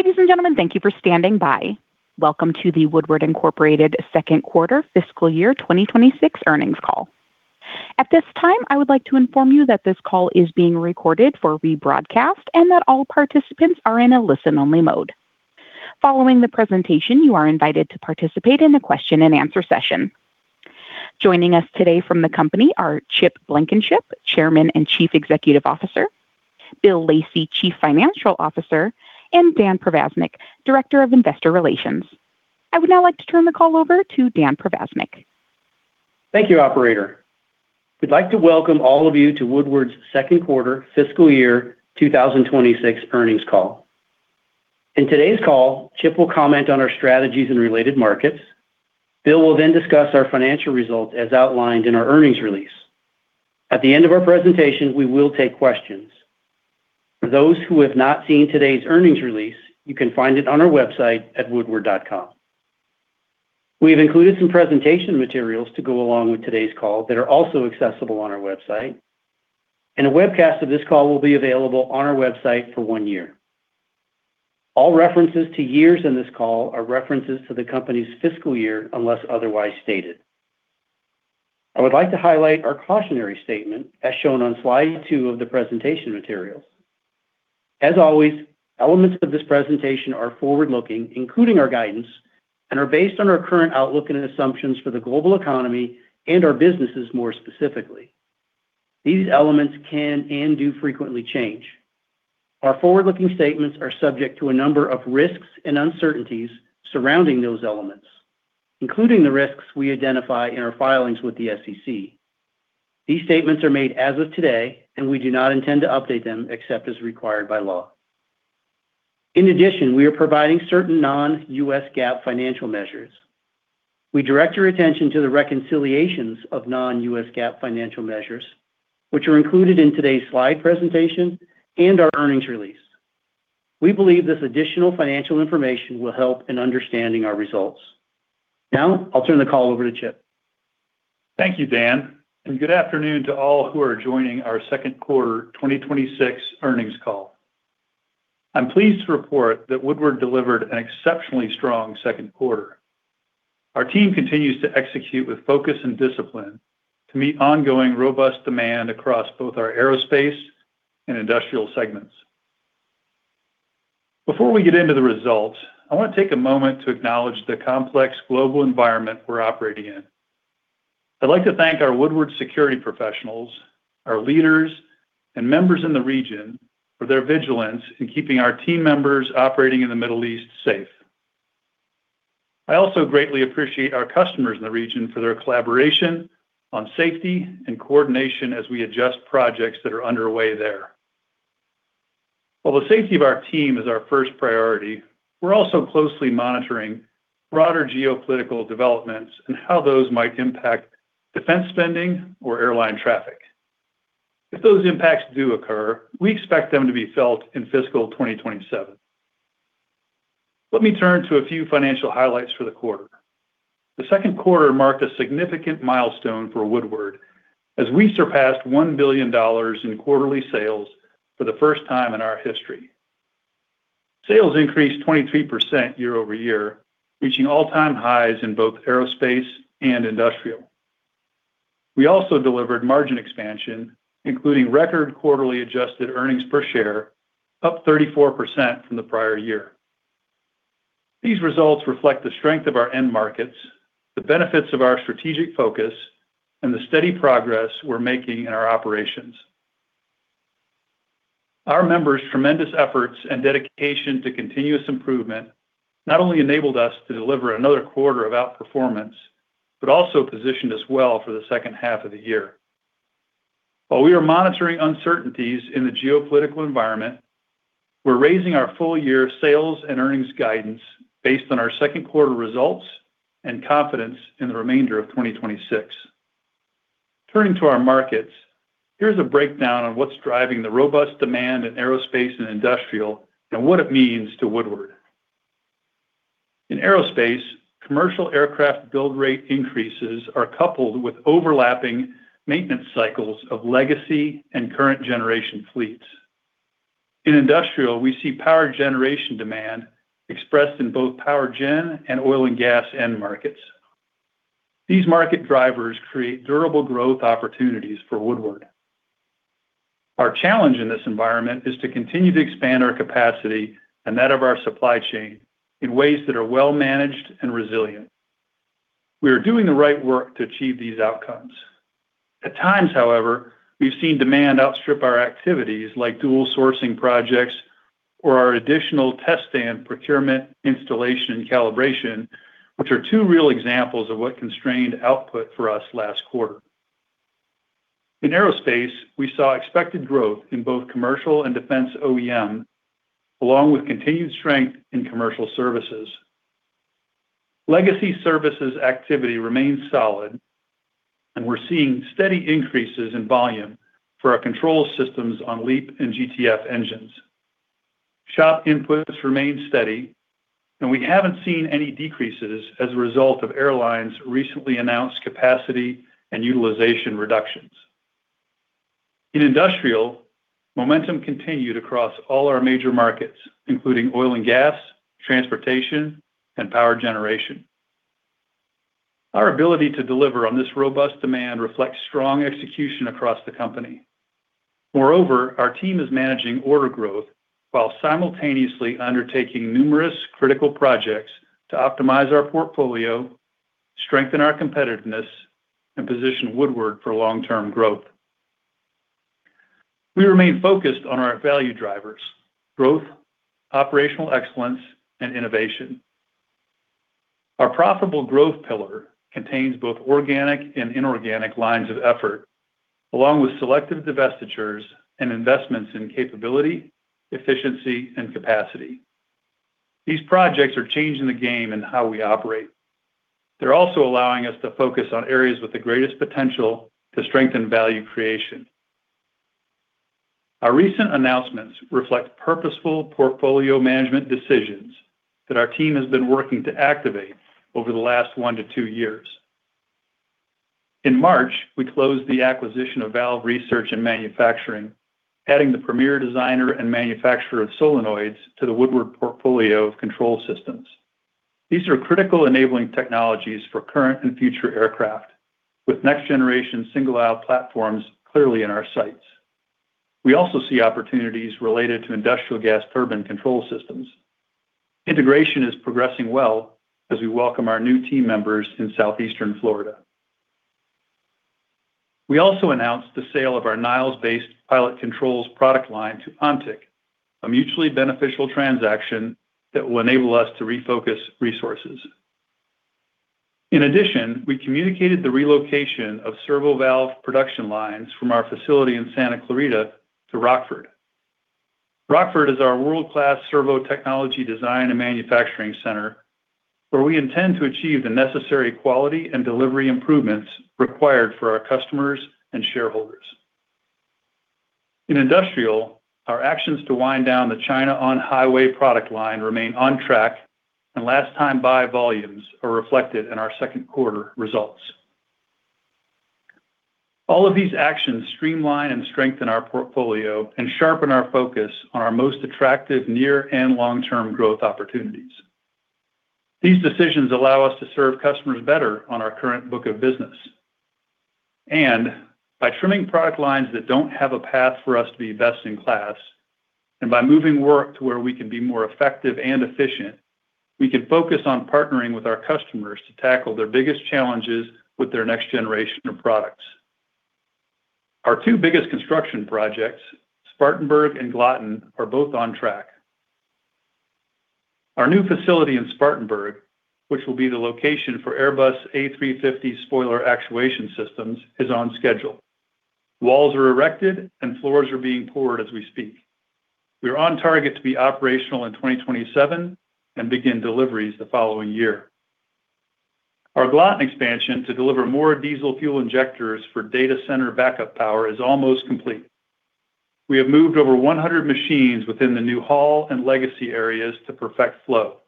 Ladies and gentlemen, thank you for standing by. Welcome to the Woodward, Inc. second quarter fiscal year 2026 earnings call. At this time, I would like to inform you that this call is being recorded for rebroadcast and that all participants are in a listen-only mode. Following the presentation, you are invited to participate in a question-and-answer session. Joining us today from the company are Chip Blankenship, Chairman and Chief Executive Officer, Bill Lacey, Chief Financial Officer, and Dan Provaznik, Director of Investor Relations. I would now like to turn the call over to Dan Provaznik. Thank you, operator. We'd like to welcome all of you to Woodward's second quarter fiscal year 2026 earnings call. In today's call, Chip will comment on our strategies and related markets. Bill will then discuss our financial results as outlined in our earnings release. At the end of our presentation, we will take questions. For those who have not seen today's earnings release, you can find it on our website at woodward.com. We've included some presentation materials to go along with today's call that are also accessible on our website. A webcast of this call will be available on our website for one year. All references to years in this call are references to the company's fiscal year, unless otherwise stated. I would like to highlight our cautionary statement as shown on slide two of the presentation materials. As always, elements of this presentation are forward-looking, including our guidance, and are based on our current outlook and assumptions for the global economy and our businesses more specifically. These elements can and do frequently change. Our forward-looking statements are subject to a number of risks and uncertainties surrounding those elements, including the risks we identify in our filings with the SEC. These statements are made as of today, and we do not intend to update them except as required by law. In addition, we are providing certain non-U.S. GAAP financial measures. We direct your attention to the reconciliations of non-U.S. GAAP financial measures, which are included in today's slide presentation and our earnings release. We believe this additional financial information will help in understanding our results. Now, I'll turn the call over to Chip. Thank you, Dan, good afternoon to all who are joining our second quarter 2026 earnings call. I'm pleased to report that Woodward delivered an exceptionally strong second quarter. Our team continues to execute with focus and discipline to meet ongoing robust demand across both our aerospace and industrial segments. Before we get into the results, I want to take a moment to acknowledge the complex global environment we're operating in. I'd like to thank our Woodward security professionals, our leaders and members in the region for their vigilance in keeping our team members operating in the Middle East safe. I also greatly appreciate our customers in the region for their collaboration on safety and coordination as we adjust projects that are underway there. While the safety of our team is our first priority, we're also closely monitoring broader geopolitical developments and how those might impact defense spending or airline traffic. If those impacts do occur, we expect them to be felt in fiscal 2027. Let me turn to a few financial highlights for the quarter. The second quarter marked a significant milestone for Woodward as we surpassed $1 billion in quarterly sales for the first time in our history. Sales increased 23% year-over-year, reaching all-time highs in both aerospace and industrial. We also delivered margin expansion, including record quarterly adjusted earnings per share, up 34% from the prior year. These results reflect the strength of our end markets, the benefits of our strategic focus, and the steady progress we're making in our operations. Our members' tremendous efforts and dedication to continuous improvement not only enabled us to deliver another quarter of outperformance but also positioned us well for the second half of the year. While we are monitoring uncertainties in the geopolitical environment, we're raising our full-year sales and earnings guidance based on our second quarter results and confidence in the remainder of 2026. Turning to our markets, here's a breakdown on what's driving the robust demand in aerospace and industrial and what it means to Woodward. In aerospace, commercial aircraft build rate increases are coupled with overlapping maintenance cycles of legacy and current generation fleets. In industrial, we see power generation demand expressed in both power gen and oil and gas end markets. These market drivers create durable growth opportunities for Woodward. Our challenge in this environment is to continue to expand our capacity and that of our supply chain in ways that are well-managed and resilient. We are doing the right work to achieve these outcomes. At times, however, we've seen demand outstrip our activities like dual sourcing projects or our additional test stand procurement, installation, and calibration, which are two real examples of what constrained output for us last quarter. In aerospace, we saw expected growth in both commercial and defense OEM, along with continued strength in commercial services. Legacy services activity remains solid, and we're seeing steady increases in volume for our control systems on LEAP and GTF engines. Shop inputs remain steady, and we haven't seen any decreases as a result of airlines' recently announced capacity and utilization reductions. In industrial, momentum continued across all our major markets, including oil and gas, transportation, and power generation. Our ability to deliver on this robust demand reflects strong execution across the company. Moreover, our team is managing order growth while simultaneously undertaking numerous critical projects to optimize our portfolio, strengthen our competitiveness, and position Woodward for long-term growth. We remain focused on our value drivers: growth, operational excellence, and innovation. Our profitable growth pillar contains both organic and inorganic lines of effort, along with selective divestitures and investments in capability, efficiency, and capacity. These projects are changing the game in how we operate. They're also allowing us to focus on areas with the greatest potential to strengthen value creation. Our recent announcements reflect purposeful portfolio management decisions that our team has been working to activate over the last one to two years. In March, we closed the acquisition of Valve Research & Manufacturing, adding the premier designer and manufacturer of solenoids to the Woodward portfolio of control systems. These are critical enabling technologies for current and future aircraft, with next-generation single-aisle platforms clearly in our sights. We also see opportunities related to industrial gas turbine control systems. Integration is progressing well as we welcome our new team members in Southeastern Florida. We also announced the sale of our Niles-based pilot controls product line to Ontic, a mutually beneficial transaction that will enable us to refocus resources. In addition, we communicated the relocation of servovalve production lines from our facility in Santa Clarita to Rockford. Rockford is our world-class servo technology design and manufacturing center, where we intend to achieve the necessary quality and delivery improvements required for our customers and shareholders. In industrial, our actions to wind down the China on-highway product line remain on track, and last-time buy volumes are reflected in our second quarter results. All of these actions streamline and strengthen our portfolio and sharpen our focus on our most attractive near and long-term growth opportunities. These decisions allow us to serve customers better on our current book of business. By trimming product lines that don't have a path for us to be best-in-class, and by moving work to where we can be more effective and efficient, we can focus on partnering with our customers to tackle their biggest challenges with their next generation of products. Our two biggest construction projects, Spartanburg and Glatten, are both on track. Our new facility in Spartanburg, which will be the location for Airbus A350 spoiler actuation systems, is on schedule. Walls are erected, and floors are being poured as we speak. We are on target to be operational in 2027 and begin deliveries the following year. Our Glatten expansion to deliver more diesel fuel injectors for data center backup power is almost complete. We have moved over 100 machines within the new hall and legacy areas to perfect flow.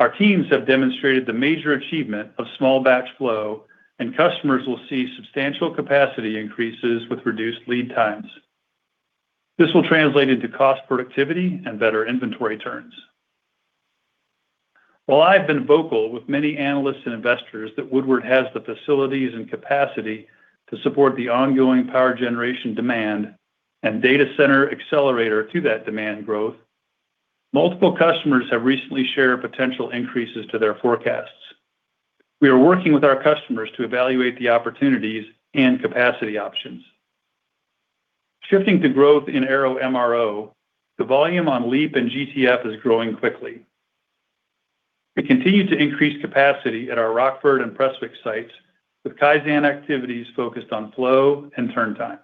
Our teams have demonstrated the major achievement of small batch flow, and customers will see substantial capacity increases with reduced lead times. This will translate into cost productivity and better inventory turns. While I have been vocal with many analysts and investors that Woodward has the facilities and capacity to support the ongoing power generation demand and data center accelerator to that demand growth, multiple customers have recently shared potential increases to their forecasts. We are working with our customers to evaluate the opportunities and capacity options. Shifting to growth in Aero MRO, the volume on LEAP and GTF is growing quickly. We continue to increase capacity at our Rockford and Prestwick sites with Kaizen activities focused on flow and turn time.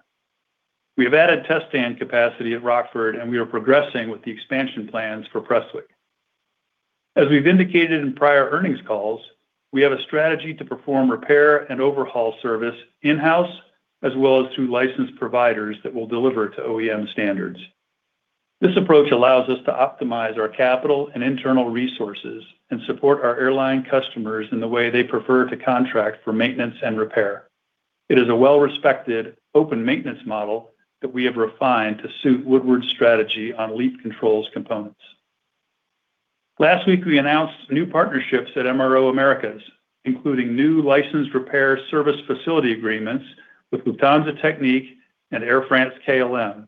We have added test stand capacity at Rockford, and we are progressing with the expansion plans for Prestwick. As we've indicated in prior earnings calls, we have a strategy to perform repair and overhaul service in-house as well as through licensed providers that will deliver to OEM standards. This approach allows us to optimize our capital and internal resources and support our airline customers in the way they prefer to contract for maintenance and repair. It is a well-respected open maintenance model that we have refined to suit Woodward's strategy on LEAP controls components. Last week, we announced new partnerships at MRO Americas, including new licensed repair service facility agreements with Lufthansa Technik and Air France-KLM,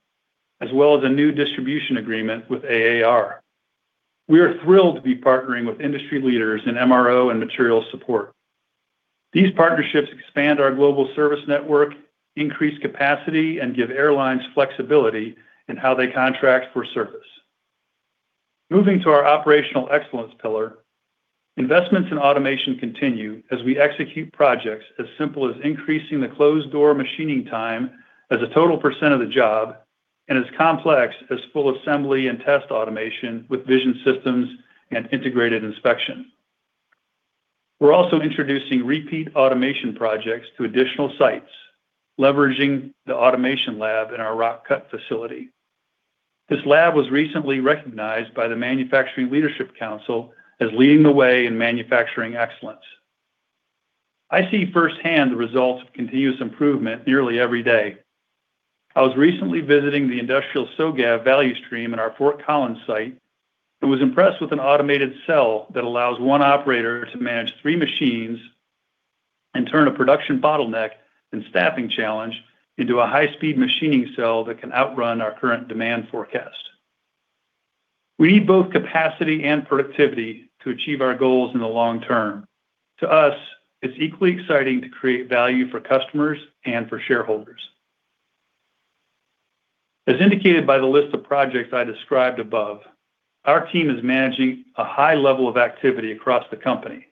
as well as a new distribution agreement with AAR. We are thrilled to be partnering with industry leaders in MRO and material support. These partnerships expand our global service network, increase capacity, and give airlines flexibility in how they contract for service. Moving to our operational excellence pillar, investments in automation continue as we execute projects as simple as increasing the closed-door machining time as a total percent of the job and as complex as full assembly and test automation with vision systems and integrated inspection. We're also introducing repeat automation projects to additional sites, leveraging the automation lab in our Rock Cut facility. This lab was recently recognized by the Manufacturing Leadership Council as leading the way in manufacturing excellence. I see firsthand the results of continuous improvement nearly every day. I was recently visiting the industrial SOGAV value stream in our Fort Collins site and was impressed with an automated cell that allows one operator to manage three machines and turn a production bottleneck and staffing challenge into a high-speed machining cell that can outrun our current demand forecast. We need both capacity and productivity to achieve our goals in the long term. To us, it's equally exciting to create value for customers and for shareholders. As indicated by the list of projects I described above, our team is managing a high level of activity across the company,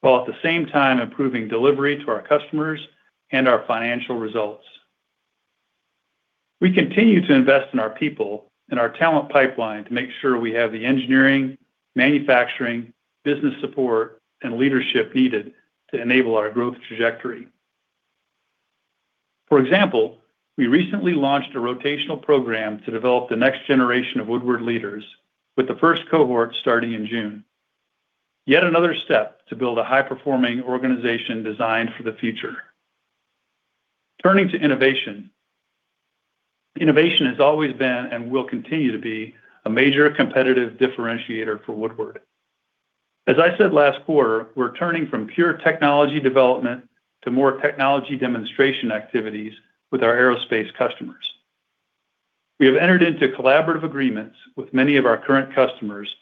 while at the same time improving delivery to our customers and our financial results. We continue to invest in our people and our talent pipeline to make sure we have the engineering, manufacturing, business support, and leadership needed to enable our growth trajectory. For example, we recently launched a rotational program to develop the next generation of Woodward leaders with the first cohort starting in June. Yet another step to build a high-performing organization designed for the future. Turning to innovation. Innovation has always been, and will continue to be, a major competitive differentiator for Woodward. As I said last quarter, we're turning from pure technology development to more technology demonstration activities with our aerospace customers. We have entered into collaborative agreements with many of our current customers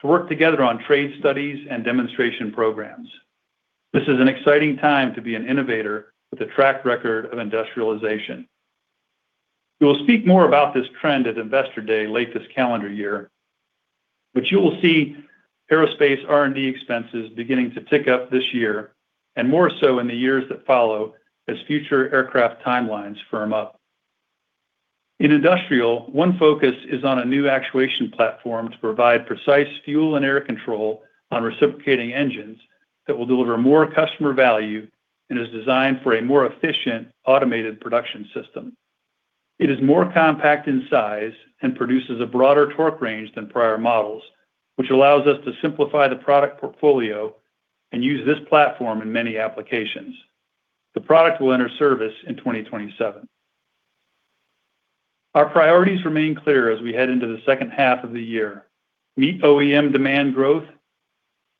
to work together on trade studies and demonstration programs. This is an exciting time to be an innovator with a track record of industrialization. We will speak more about this trend at Investor Day late this calendar year, but you will see aerospace R&D expenses beginning to tick up this year and more so in the years that follow as future aircraft timelines firm up. In industrial, one focus is on a new actuation platform to provide precise fuel and air control on reciprocating engines that will deliver more customer value and is designed for a more efficient automated production system. It is more compact in size and produces a broader torque range than prior models, which allows us to simplify the product portfolio and use this platform in many applications. The product will enter service in 2027. Our priorities remain clear as we head into the second half of the year. Meet OEM demand growth,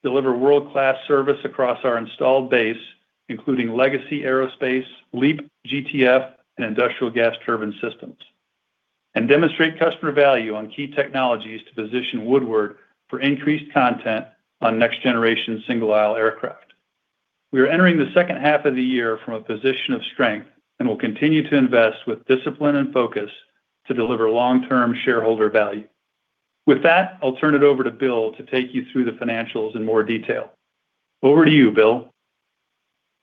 deliver world-class service across our installed base, including legacy aerospace, LEAP, GTF, and industrial gas turbine systems, and demonstrate customer value on key technologies to position Woodward for increased content on next-generation single-aisle aircraft. We are entering the second half of the year from a position of strength and will continue to invest with discipline and focus to deliver long-term shareholder value. With that, I'll turn it over to Bill to take you through the financials in more detail. Over to you, Bill.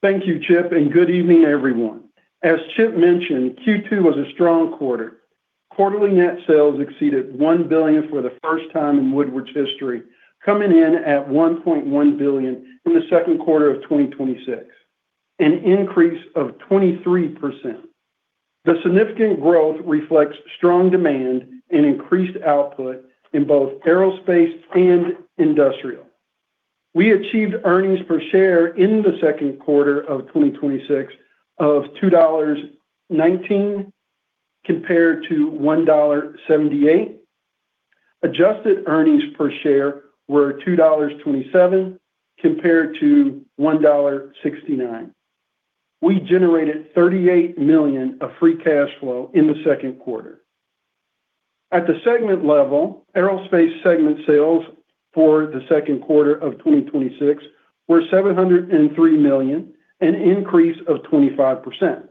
Thank you, Chip. Good evening, everyone. As Chip mentioned, Q2 was a strong quarter. Quarterly net sales exceeded $1 billion for the first time in Woodward's history, coming in at $1.1 billion in the second quarter of 2026, an increase of 23%. The significant growth reflects strong demand and increased output in both aerospace and industrial. We achieved Earnings Per Share in the second quarter of 2026 of $2.19 compared to $1.78. Adjusted Earnings Per Share were $2.27 compared to $1.69. We generated $38 million of free cash flow in the second quarter. At the segment level, aerospace segment sales for the second quarter of 2026 were $703 million, an increase of 25%.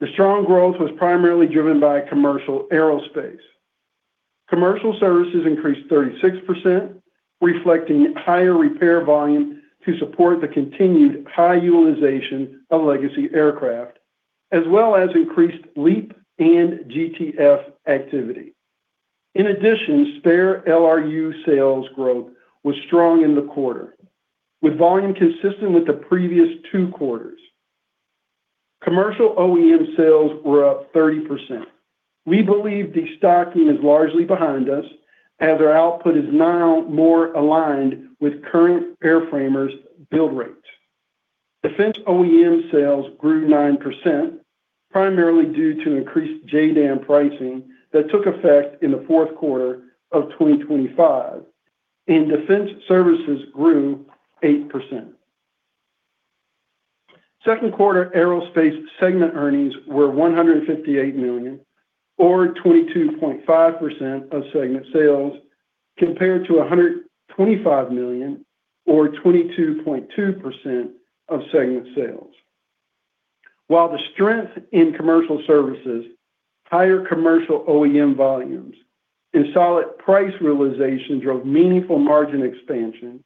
The strong growth was primarily driven by commercial aerospace. Commercial services increased 36%, reflecting higher repair volume to support the continued high utilization of legacy aircraft, as well as increased LEAP and GTF activity. Spare LRU sales growth was strong in the quarter, with volume consistent with the previous two quarters. Commercial OEM sales were up 30%. We believe de-stocking is largely behind us, as our output is now more aligned with current airframers' build rates. Defense OEM sales grew 9%, primarily due to increased JDAM pricing that took effect in the fourth quarter of 2025, and defense services grew 8%. Second quarter aerospace segment earnings were $158 million or 22.5% of segment sales, compared to $125 million or 22.2% of segment sales. While the strength in commercial services, higher commercial OEM volumes, and solid price realization drove meaningful margin expansion,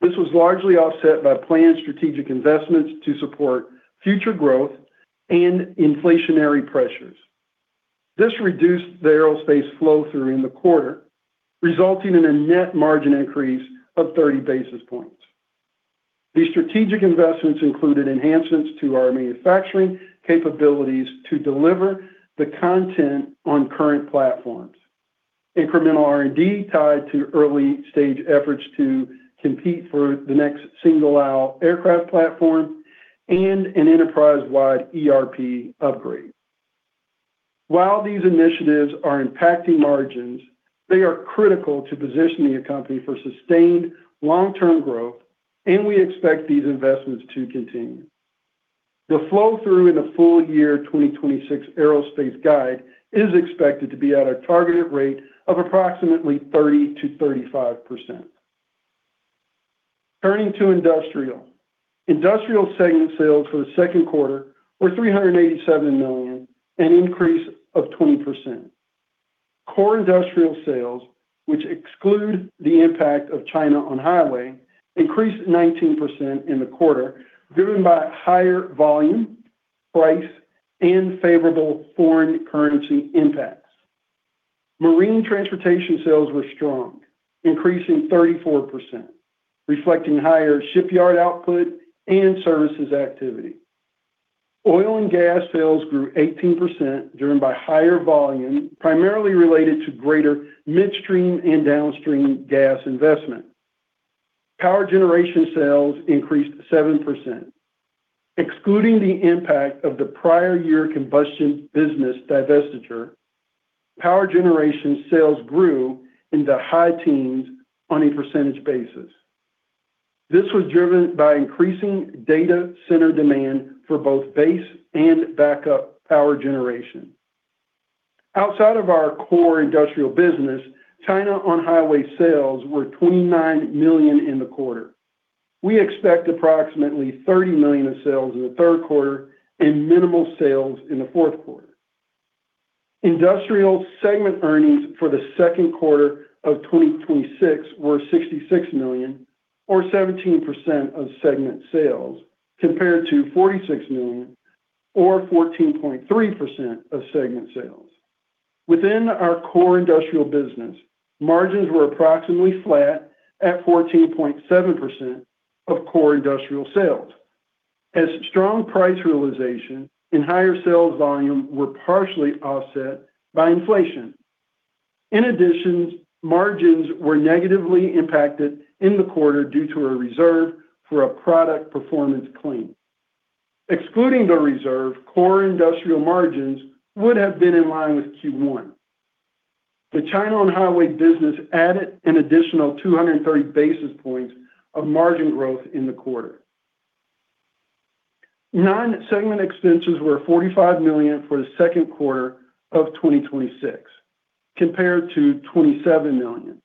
this was largely offset by planned strategic investments to support future growth and inflationary pressures. This reduced the aerospace flow through in the quarter, resulting in a net margin increase of 30 basis points. These strategic investments included enhancements to our manufacturing capabilities to deliver the content on current platforms, incremental R&D tied to early-stage efforts to compete for the next single-aisle aircraft platform, and an enterprise-wide ERP upgrade. While these initiatives are impacting margins, they are critical to positioning the company for sustained long-term growth, and we expect these investments to continue. The flow through in the full year 2026 aerospace guide is expected to be at a targeted rate of approximately 30%-35%. Turning to industrial. Industrial segment sales for the second quarter were $387 million, an increase of 20%. Core industrial sales, which exclude the impact of China On-Highway, increased 19% in the quarter, driven by higher volume, price, and favorable foreign currency impacts. Marine transportation sales were strong, increasing 34%, reflecting higher shipyard output and services activity. Oil and gas sales grew 18% driven by higher volume, primarily related to greater midstream and downstream gas investment. Power generation sales increased 7%. Excluding the impact of the prior year combustion business divestiture, power generation sales grew in the high teens on a percentage basis. This was driven by increasing data center demand for both base and backup power generation. Outside of our core industrial business, China On-Highway sales were $29 million in the quarter. We expect approximately $30 million of sales in the third quarter and minimal sales in the fourth quarter. Industrial segment earnings for the second quarter of 2026 were $66 million or 17% of segment sales, compared to $46 million or 14.3% of segment sales. Within our core industrial business, margins were approximately flat at 14.7% of core industrial sales as strong price realization and higher sales volume were partially offset by inflation. In addition, margins were negatively impacted in the quarter due to a reserve for a product performance claim. Excluding the reserve, core industrial margins would have been in line with Q1. The China On-Highway business added an additional 230 basis points of margin growth in the quarter. Non-segment expenses were $45 million for the second quarter of 2026 compared to $27 million.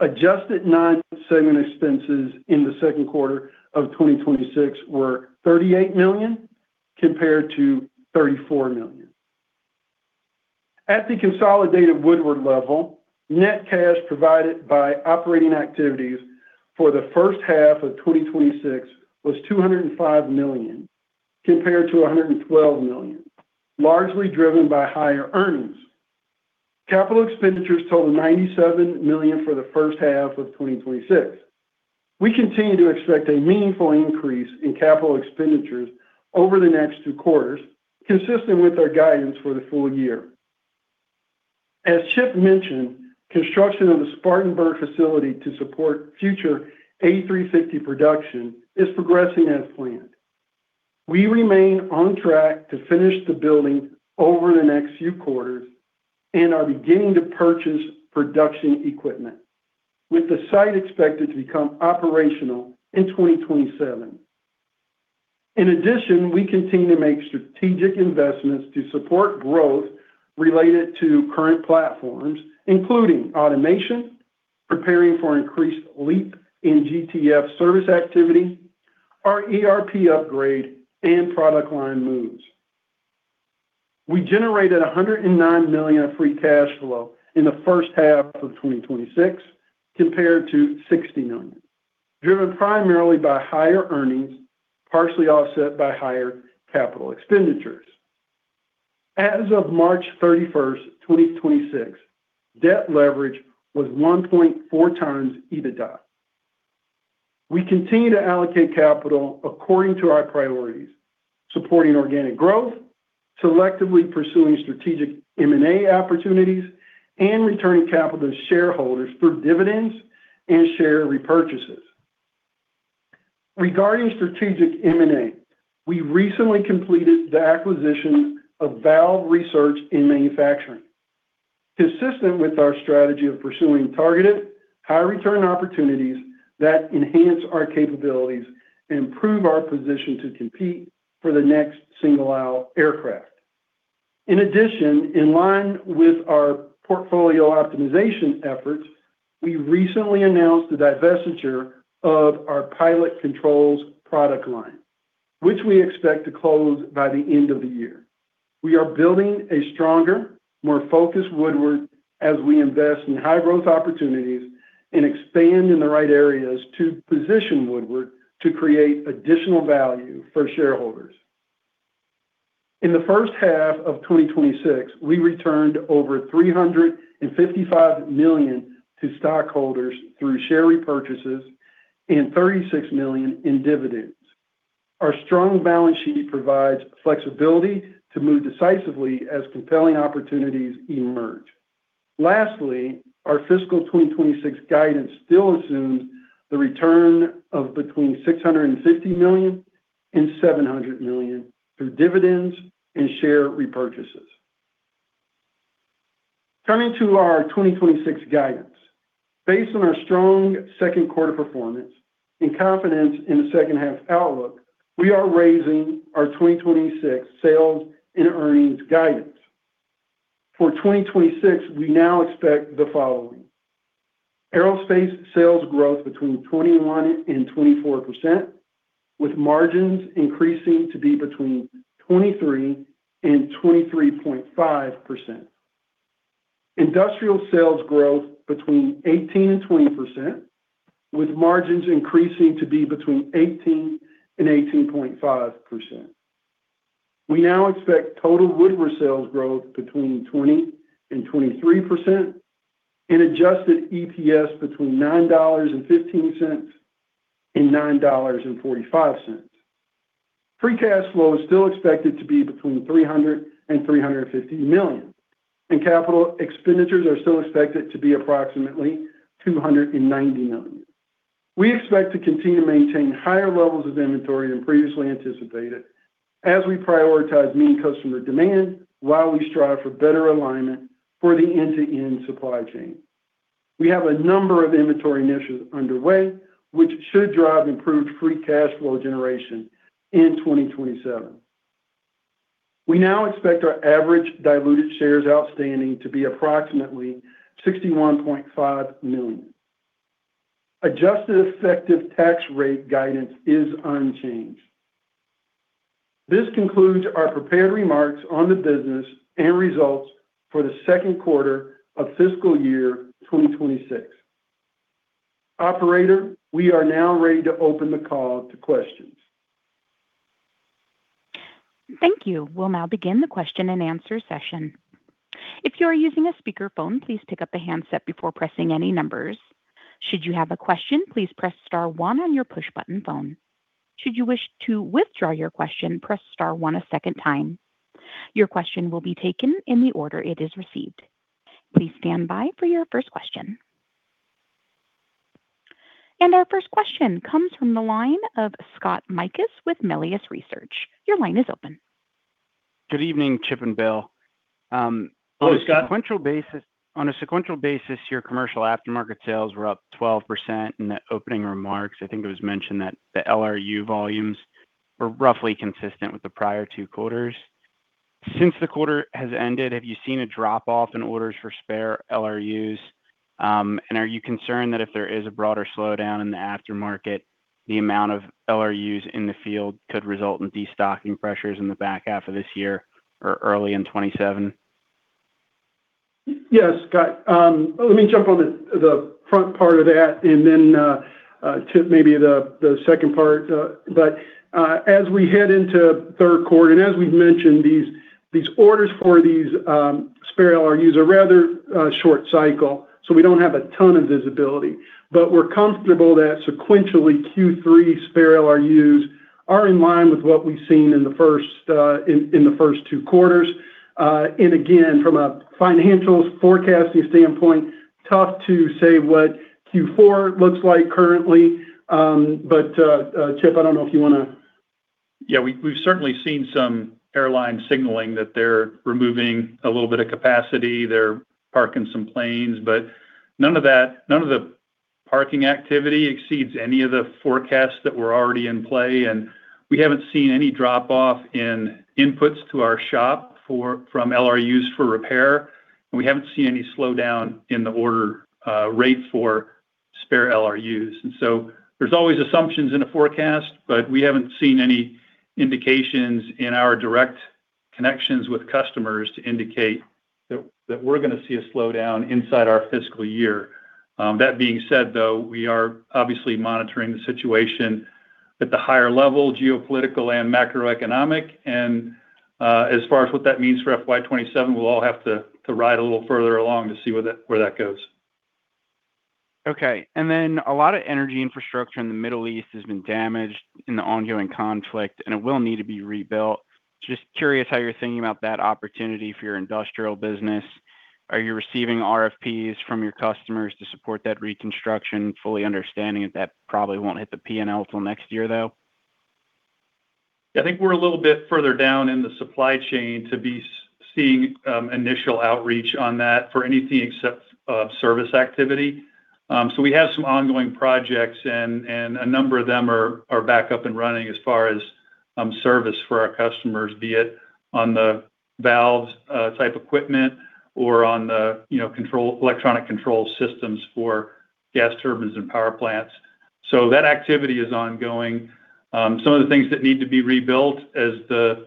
Adjusted non-segment expenses in the second quarter of 2026 were $38 million compared to $34 million. At the consolidated Woodward level, net cash provided by operating activities for the first half of 2026 was $205 million compared to $112 million, largely driven by higher earnings. Capital expenditures totaled $97 million for the first half of 2026. We continue to expect a meaningful increase in capital expenditures over the next two quarters, consistent with our guidance for the full year. As Chip mentioned, construction of the Spartanburg facility to support future A350 production is progressing as planned. We remain on track to finish the building over the next few quarters and are beginning to purchase production equipment, with the site expected to become operational in 2027. In addition, we continue to make strategic investments to support growth related to current platforms, including automation, preparing for increased LEAP and GTF service activity, our ERP upgrade, and product line moves. We generated $109 million of free cash flow in the first half of 2026 compared to $60 million, driven primarily by higher earnings, partially offset by higher capital expenditures. As of March 31st, 2026, debt leverage was 1.4x EBITDA. We continue to allocate capital according to our priorities, supporting organic growth, selectively pursuing strategic M&A opportunities, and returning capital to shareholders through dividends and share repurchases. Regarding strategic M&A, we recently completed the acquisition of Valve Research & Manufacturing, consistent with our strategy of pursuing targeted, high-return opportunities that enhance our capabilities and improve our position to compete for the next single-aisle aircraft. In addition, in line with our portfolio optimization efforts, we recently announced the divestiture of our pilot controls product line, which we expect to close by the end of the year. We are building a stronger, more focused Woodward as we invest in high-growth opportunities and expand in the right areas to position Woodward to create additional value for shareholders. In the first half of 2026, we returned over $355 million to stockholders through share repurchases and $36 million in dividends. Our strong balance sheet provides flexibility to move decisively as compelling opportunities emerge. Lastly, our fiscal 2026 guidance still assumes the return of between $650 million and $700 million through dividends and share repurchases. Turning to our 2026 guidance. Based on our strong second quarter performance and confidence in the second half outlook, we are raising our 2026 sales and earnings guidance. For 2026, we now expect the following: Aerospace sales growth between 21%-24%, with margins increasing to be between 23%-23.5%. Industrial sales growth between 18%-20%, with margins increasing to be between 18%-18.5%. We now expect total Woodward sales growth between 20%-23% and Adjusted EPS between $9.15 and $9.45. Free cash flow is still expected to be between $300 million and $350 million, and capital expenditures are still expected to be approximately $290 million. We expect to continue to maintain higher levels of inventory than previously anticipated as we prioritize meeting customer demand while we strive for better alignment for the end-to-end supply chain. We have a number of inventory initiatives underway which should drive improved free cash flow generation in 2027. We now expect our average diluted shares outstanding to be approximately $61.5 million. Adjusted effective tax rate guidance is unchanged. This concludes our prepared remarks on the business and results for the second quarter of fiscal year 2026. Operator, we are now ready to open the call to questions. Thank you. We'll now begin the question-and-answer session. If you're using a speaker phone please take up the handset before pressing any numbers, should you have question please press star one on your push button phone, should you wish to withdraw your question press star one a second time. Your question will be taken in the order it is received, please stand by for your first question. Our first question comes from the line of Scott Mikus with Melius Research. Your line is open. Good evening, Chip and Bill. Hello, Scott. On a sequential basis, your commercial aftermarket sales were up 12% in the opening remarks. I think it was mentioned that the LRU volumes were roughly consistent with the prior two quarters. Since the quarter has ended, have you seen a drop-off in orders for spare LRUs? And are you concerned that if there is a broader slowdown in the aftermarket, the amount of LRUs in the field could result in destocking pressures in the back half of this year or early in 2027? Yes, Scott. Let me jump on the front part of that and then, Chip, maybe the second part. As we head into third quarter, and as we've mentioned, these orders for these spare LRUs are rather short cycle, we don't have a ton of visibility. We're comfortable that sequentially Q3 spare LRUs are in line with what we've seen in the first two quarters. Again, from a financials forecasting standpoint, tough to say what Q4 looks like currently. Chip, I don't know if you wanna... Yeah, we've certainly seen some airlines signaling that they're removing a little bit of capacity. They're parking some planes, none of the parking activity exceeds any of the forecasts that were already in play. We haven't seen any drop off in inputs to our shop for, from LRUs for repair. We haven't seen any slowdown in the order rate for spare LRUs. There's always assumptions in a forecast, but we haven't seen any indications in our direct connections with customers to indicate that we're gonna see a slowdown inside our fiscal year. That being said, though, we are obviously monitoring the situation at the higher level, geopolitical and macroeconomic. As far as what that means for FY 2027, we'll all have to ride a little further along to see where that goes. Okay. A lot of energy infrastructure in the Middle East has been damaged in the ongoing conflict, and it will need to be rebuilt. Just curious how you're thinking about that opportunity for your industrial business. Are you receiving RFPs from your customers to support that reconstruction, fully understanding that that probably won't hit the P&L till next year, though? I think we're a little bit further down in the supply chain to be seeing initial outreach on that for anything except service activity. We have some ongoing projects and a number of them are back up and running as far as service for our customers, be it on the valves type equipment or on the, you know, control, electronic control systems for gas turbines and power plants. That activity is ongoing. Some of the things that need to be rebuilt as the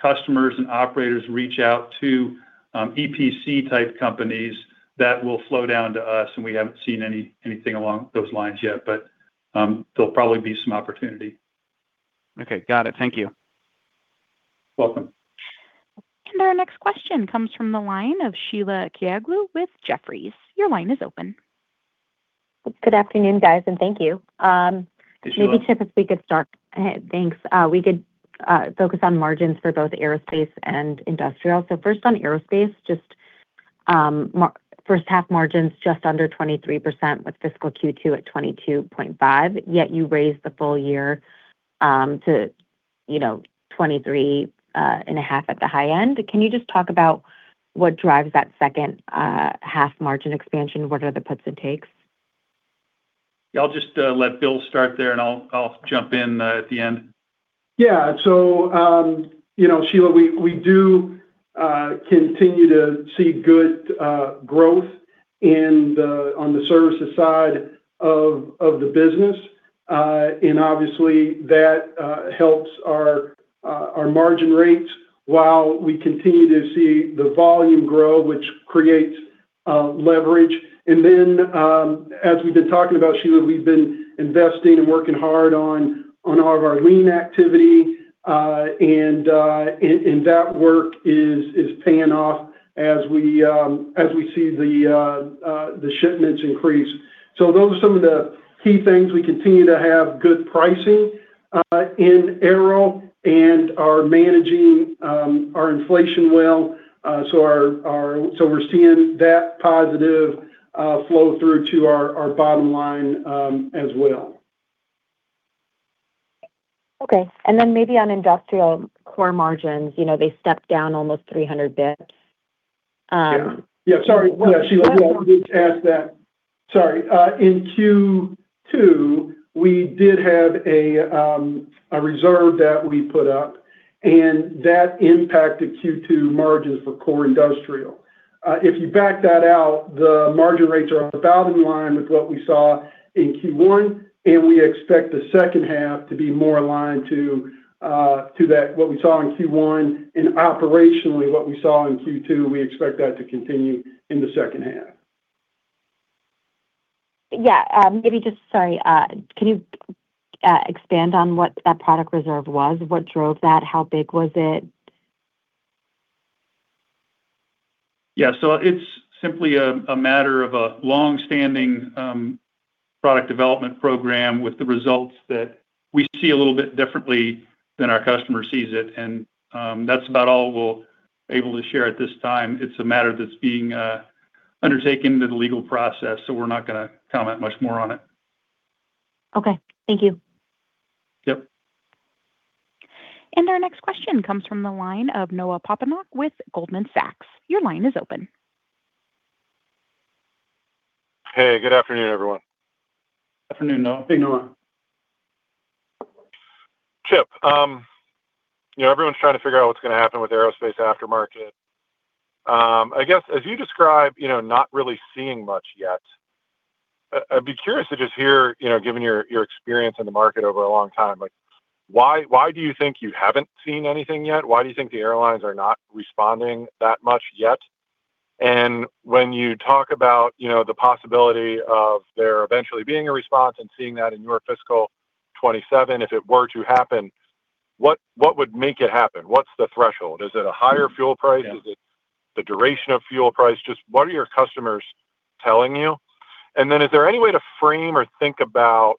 customers and operators reach out to EPC-type companies, that will flow down to us, and we haven't seen anything along those lines yet. There'll probably be some opportunity. Okay. Got it. Thank you. Welcome. Our next question comes from the line of Sheila Kahyaoglu with Jefferies. Your line is open. Good afternoon, guys, and thank you. Sheila- Maybe, Chip, if we could start. Thanks. We could focus on margins for both aerospace and industrial. First on aerospace, first half margins just under 23% with fiscal Q2 at 22.5%, yet you raised the full year, you know, to 23.5% at the high end. Can you just talk about what drives that second half margin expansion? What are the puts and takes? Yeah, I'll just let Bill start there, and I'll jump in at the end. Yeah. You know, Sheila, we do continue to see good growth in the on the services side of the business. Obviously, that helps our margin rates while we continue to see the volume grow, which creates leverage. Then, as we've been talking about, Sheila, we've been investing and working hard on all of our lean activity. That work is paying off as we see the shipments increase. Those are some of the key things. We continue to have good pricing in aero and are managing our inflation well. We're seeing that positive flow through to our bottom line as well. Okay. Maybe on industrial core margins, you know, they stepped down almost 300 bps. Sheila, you asked that. In Q2, we did have a reserve that we put up, and that impacted Q2 margins for core industrial. If you back that out, the margin rates are about in line with what we saw in Q1, and we expect the second half to be more aligned to that, what we saw in Q1 and operationally what we saw in Q2. We expect that to continue in the second half. Maybe just Sorry. Can you expand on what that product reserve was? What drove that? How big was it? Yeah. It's simply a matter of a long-standing product development program with the results that we see a little bit differently than our customer sees it. That's about all we're able to share at this time. It's a matter that's being undertaken to the legal process, so we're not gonna comment much more on it. Okay. Thank you. Yep. Our next question comes from the line of Noah Poponak with Goldman Sachs. Your line is open. Hey, good afternoon, everyone. Afternoon, Noah. Hey, Noah. Chip, you know, everyone's trying to figure out what's gonna happen with aerospace aftermarket. I guess as you describe, you know, not really seeing much yet, I'd be curious to just hear, you know, given your experience in the market over a long time, like why do you think you haven't seen anything yet? Why do you think the airlines are not responding that much yet? When you talk about, you know, the possibility of there eventually being a response and seeing that in your fiscal 2027, if it were to happen, what would make it happen? What's the threshold? Is it a higher fuel price? Yeah. Is it the duration of fuel price? Just what are your customers telling you? Then is there any way to frame or think about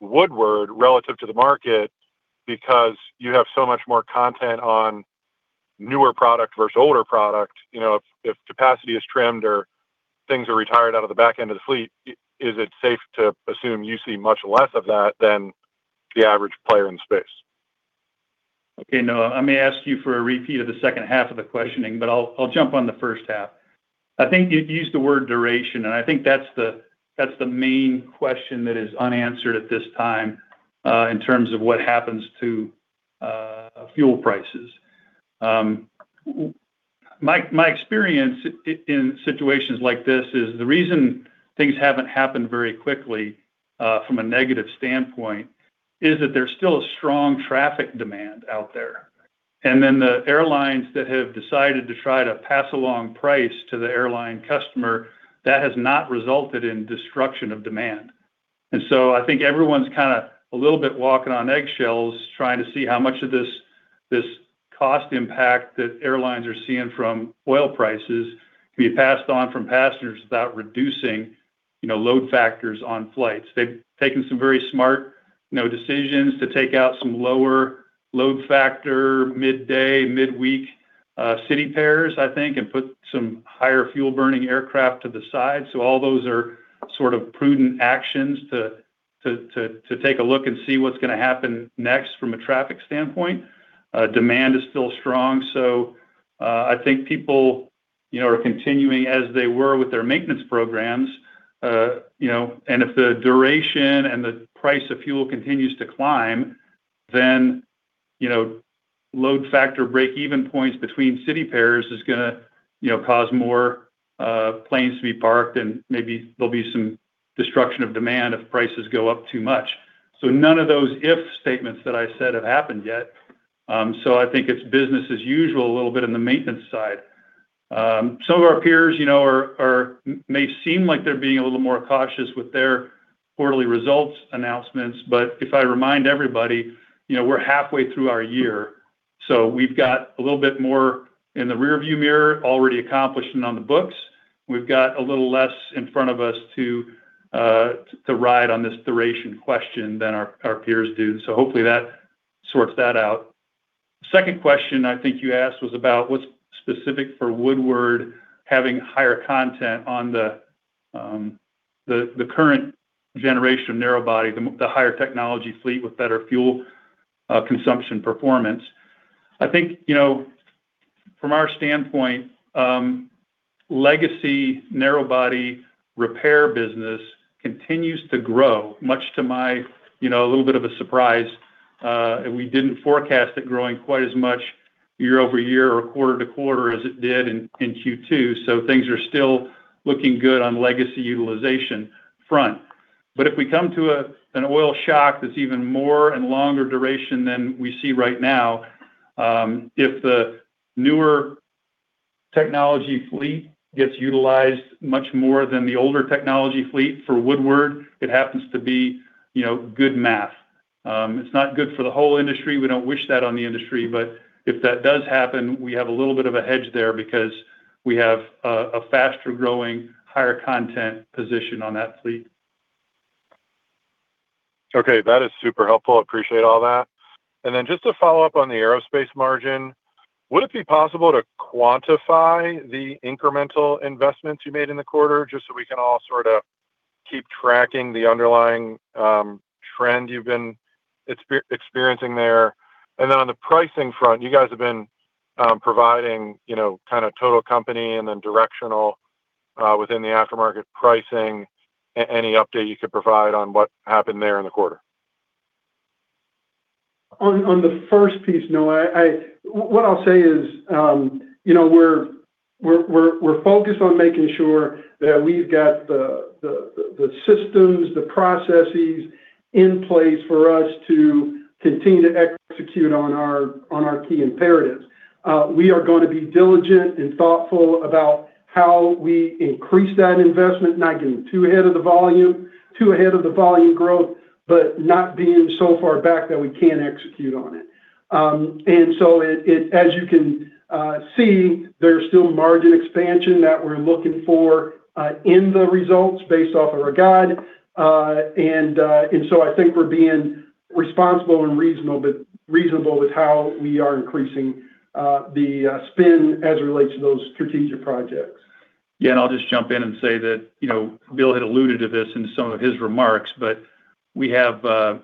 Woodward relative to the market? You have so much more content on newer product versus older product, you know, if capacity is trimmed or things are retired out of the back end of the fleet, is it safe to assume you see much less of that than the average player in space? Okay. Noah, I may ask you for a repeat of the second half of the questioning, but I'll jump on the first half. I think you used the word duration, and I think that's the main question that is unanswered at this time, in terms of what happens to fuel prices. My experience in situations like this is the reason things haven't happened very quickly, from a negative standpoint is that there's still a strong traffic demand out there. The airlines that have decided to try to pass along price to the airline customer, that has not resulted in destruction of demand. I think everyone's kind of a little bit walking on eggshells, trying to see how much of this cost impact that airlines are seeing from oil prices can be passed on from passengers without reducing, you know, load factors on flights. They've taken some very smart, you know, decisions to take out some lower load factor, midday, midweek, city pairs, I think, and put some higher fuel-burning aircraft to the side. All those are sort of prudent actions to take a look and see what's gonna happen next from a traffic standpoint. Demand is still strong, so, I think people, you know, are continuing as they were with their maintenance programs. You know, if the duration and the price of fuel continues to climb, you know, load factor break-even points between city pairs is gonna, you know, cause more planes to be parked, and maybe there'll be some destruction of demand if prices go up too much. None of those if statements that I said have happened yet. I think it's business as usual a little bit on the maintenance side. Some of our peers, you know, may seem like they're being a little more cautious with their quarterly results announcements, if I remind everybody, you know, we're halfway through our year. We've got a little bit more in the rearview mirror already accomplished and on the books. We've got a little less in front of us to ride on this duration question than our peers do. Hopefully that sorts that out. Second question I think you asked was about what's specific for Woodward having higher content on the current generation of narrow body, the higher technology fleet with better fuel consumption performance. I think, you know, from our standpoint, legacy narrow body repair business continues to grow much to my, you know, a little bit of a surprise. We didn't forecast it growing quite as much year-over-year or quarter-to-quarter as it did in Q2, so things are still looking good on legacy utilization front. If we come to a, an oil shock that's even more and longer duration than we see right now, if the newer technology fleet gets utilized much more than the older technology fleet for Woodward, it happens to be, you know, good math. It's not good for the whole industry. We don't wish that on the industry. If that does happen, we have a little bit of a hedge there because we have a faster growing, higher content position on that fleet. Okay. That is super helpful. Appreciate all that. Just to follow up on the aerospace margin, would it be possible to quantify the incremental investments you made in the quarter, just so we can all sort of keep tracking the underlying trend you've been experiencing there? Any update you could provide on what happened there in the quarter? The first piece, Noah, I'll say is, you know, we're focused on making sure that we've got the systems, the processes in place for us to continue to execute on our key imperatives. We are gonna be diligent and thoughtful about how we increase that investment, not getting too ahead of the volume growth, but not being so far back that we can't execute on it. As you can see, there's still margin expansion that we're looking for in the results based off of our guide. I think we're being responsible and reasonable with how we are increasing the spend as it relates to those strategic projects. Yeah, I'll just jump in and say that, you know, Bill Lacey had alluded to this in some of his remarks, but we have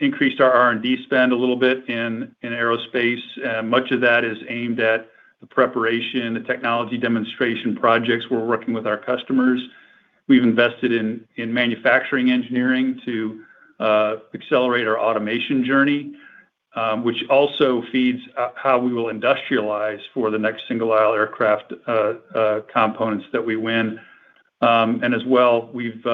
increased our R&D spend a little bit in aerospace. Much of that is aimed at the preparation, the technology demonstration projects we're working with our customers. We've invested in manufacturing engineering to accelerate our automation journey, which also feeds how we will industrialize for the next single aisle aircraft components that we win. As well, we've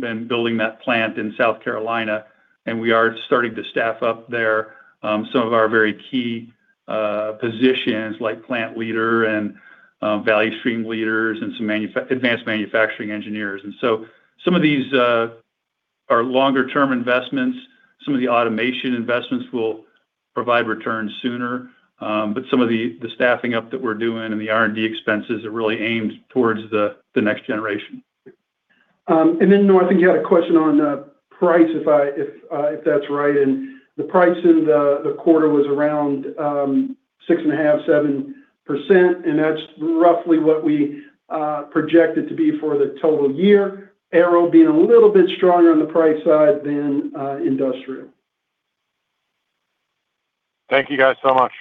been building that plant in South Carolina, and we are starting to staff up there some of our very key positions like plant leader and value stream leaders and some advanced manufacturing engineers. Some of these are longer term investments. Some of the automation investments will provide returns sooner. Some of the staffing up that we're doing and the R&D expenses are really aimed towards the next generation. Then, Noah, I think you had a question on price if that's right. The price in the quarter was around 6.5%-7%, and that's roughly what we projected to be for the total year. Aero being a little bit stronger on the price side than industrial. Thank you guys so much.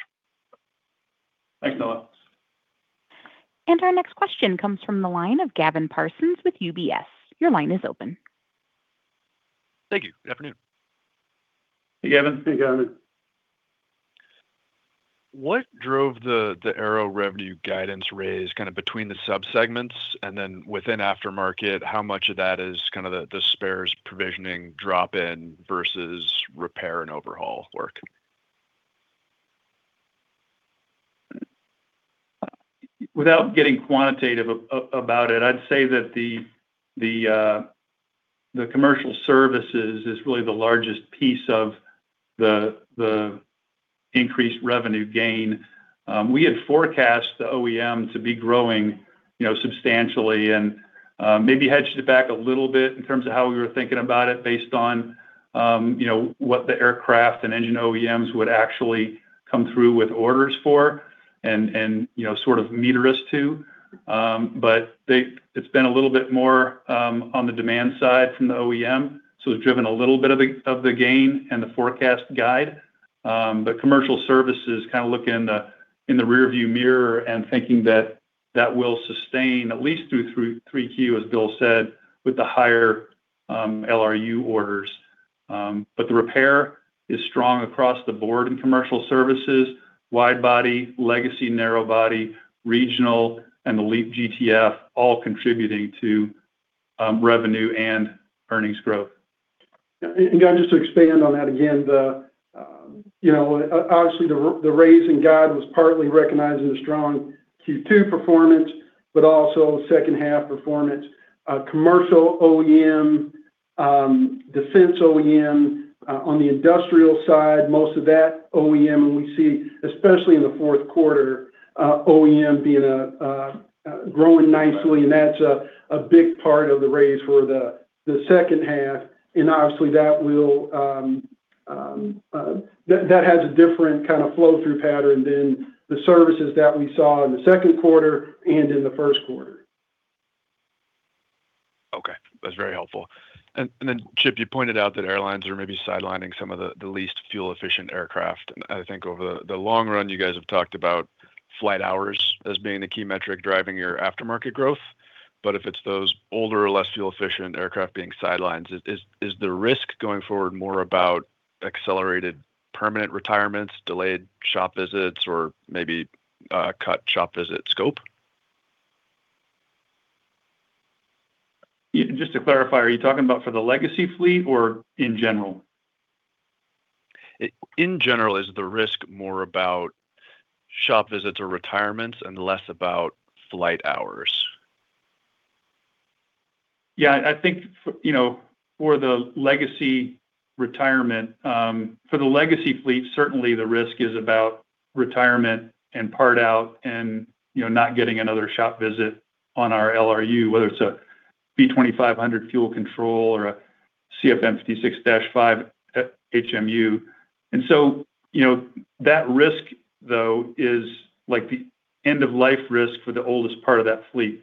Thanks, Noah. Our next question comes from the line of Gavin Parsons with UBS. Your line is open. Thank you. Good afternoon. Hey, Gavin. Hey, Gavin. What drove the Aero revenue guidance raise kinda between the subsegments and then within aftermarket, how much of that is kinda the spares provisioning drop-in versus repair and overhaul work? Without getting quantitative about it, I'd say that the commercial services is really the largest piece of the increased revenue gain. We had forecast the OEM to be growing, you know, substantially and maybe hedged it back a little bit in terms of how we were thinking about it based on, you know, what the aircraft and engine OEMs would actually come through with orders for and, you know, sort of meter us to. It's been a little bit more on the demand side from the OEM, so driven a little bit of the gain and the forecast guide. Commercial service is kinda looking in the rear view mirror and thinking that that will sustain at least through 3Q, as Bill said, with the higher LRU orders. The repair is strong across the board in commercial services, wide body, legacy narrow body, regional, and the LEAP-GTF all contributing to revenue and earnings growth. Again, just to expand on that again, you know, obviously the raising guide was partly recognizing the strong Q2 performance, but also second half performance. Commercial OEM, defense OEM, on the industrial side, most of that OEM, and we see especially in the fourth quarter, OEM being growing nicely, and that's a big part of the raise for the second half. Obviously, that has a different kind of flow through pattern than the services that we saw in the second quarter and in the first quarter. Okay. That's very helpful. Then Chip, you pointed out that airlines are maybe sidelining some of the least fuel efficient aircraft. I think over the long run, you guys have talked about flight hours as being the key metric driving your aftermarket growth. If it's those older, less fuel efficient aircraft being sidelined, is the risk going forward more about accelerated permanent retirements, delayed shop visits, or maybe cut shop visit scope? Yeah, just to clarify, are you talking about for the legacy fleet or in general? In general, is the risk more about shop visits or retirements and less about flight hours? Yeah, I think you know, for the legacy retirement, for the legacy fleet, certainly the risk is about retirement and part out and, you know, not getting another shop visit on our LRU, whether it's a V2500 fuel control or a CFM56-5 HMU. You know, that risk though is like the end of life risk for the oldest part of that fleet.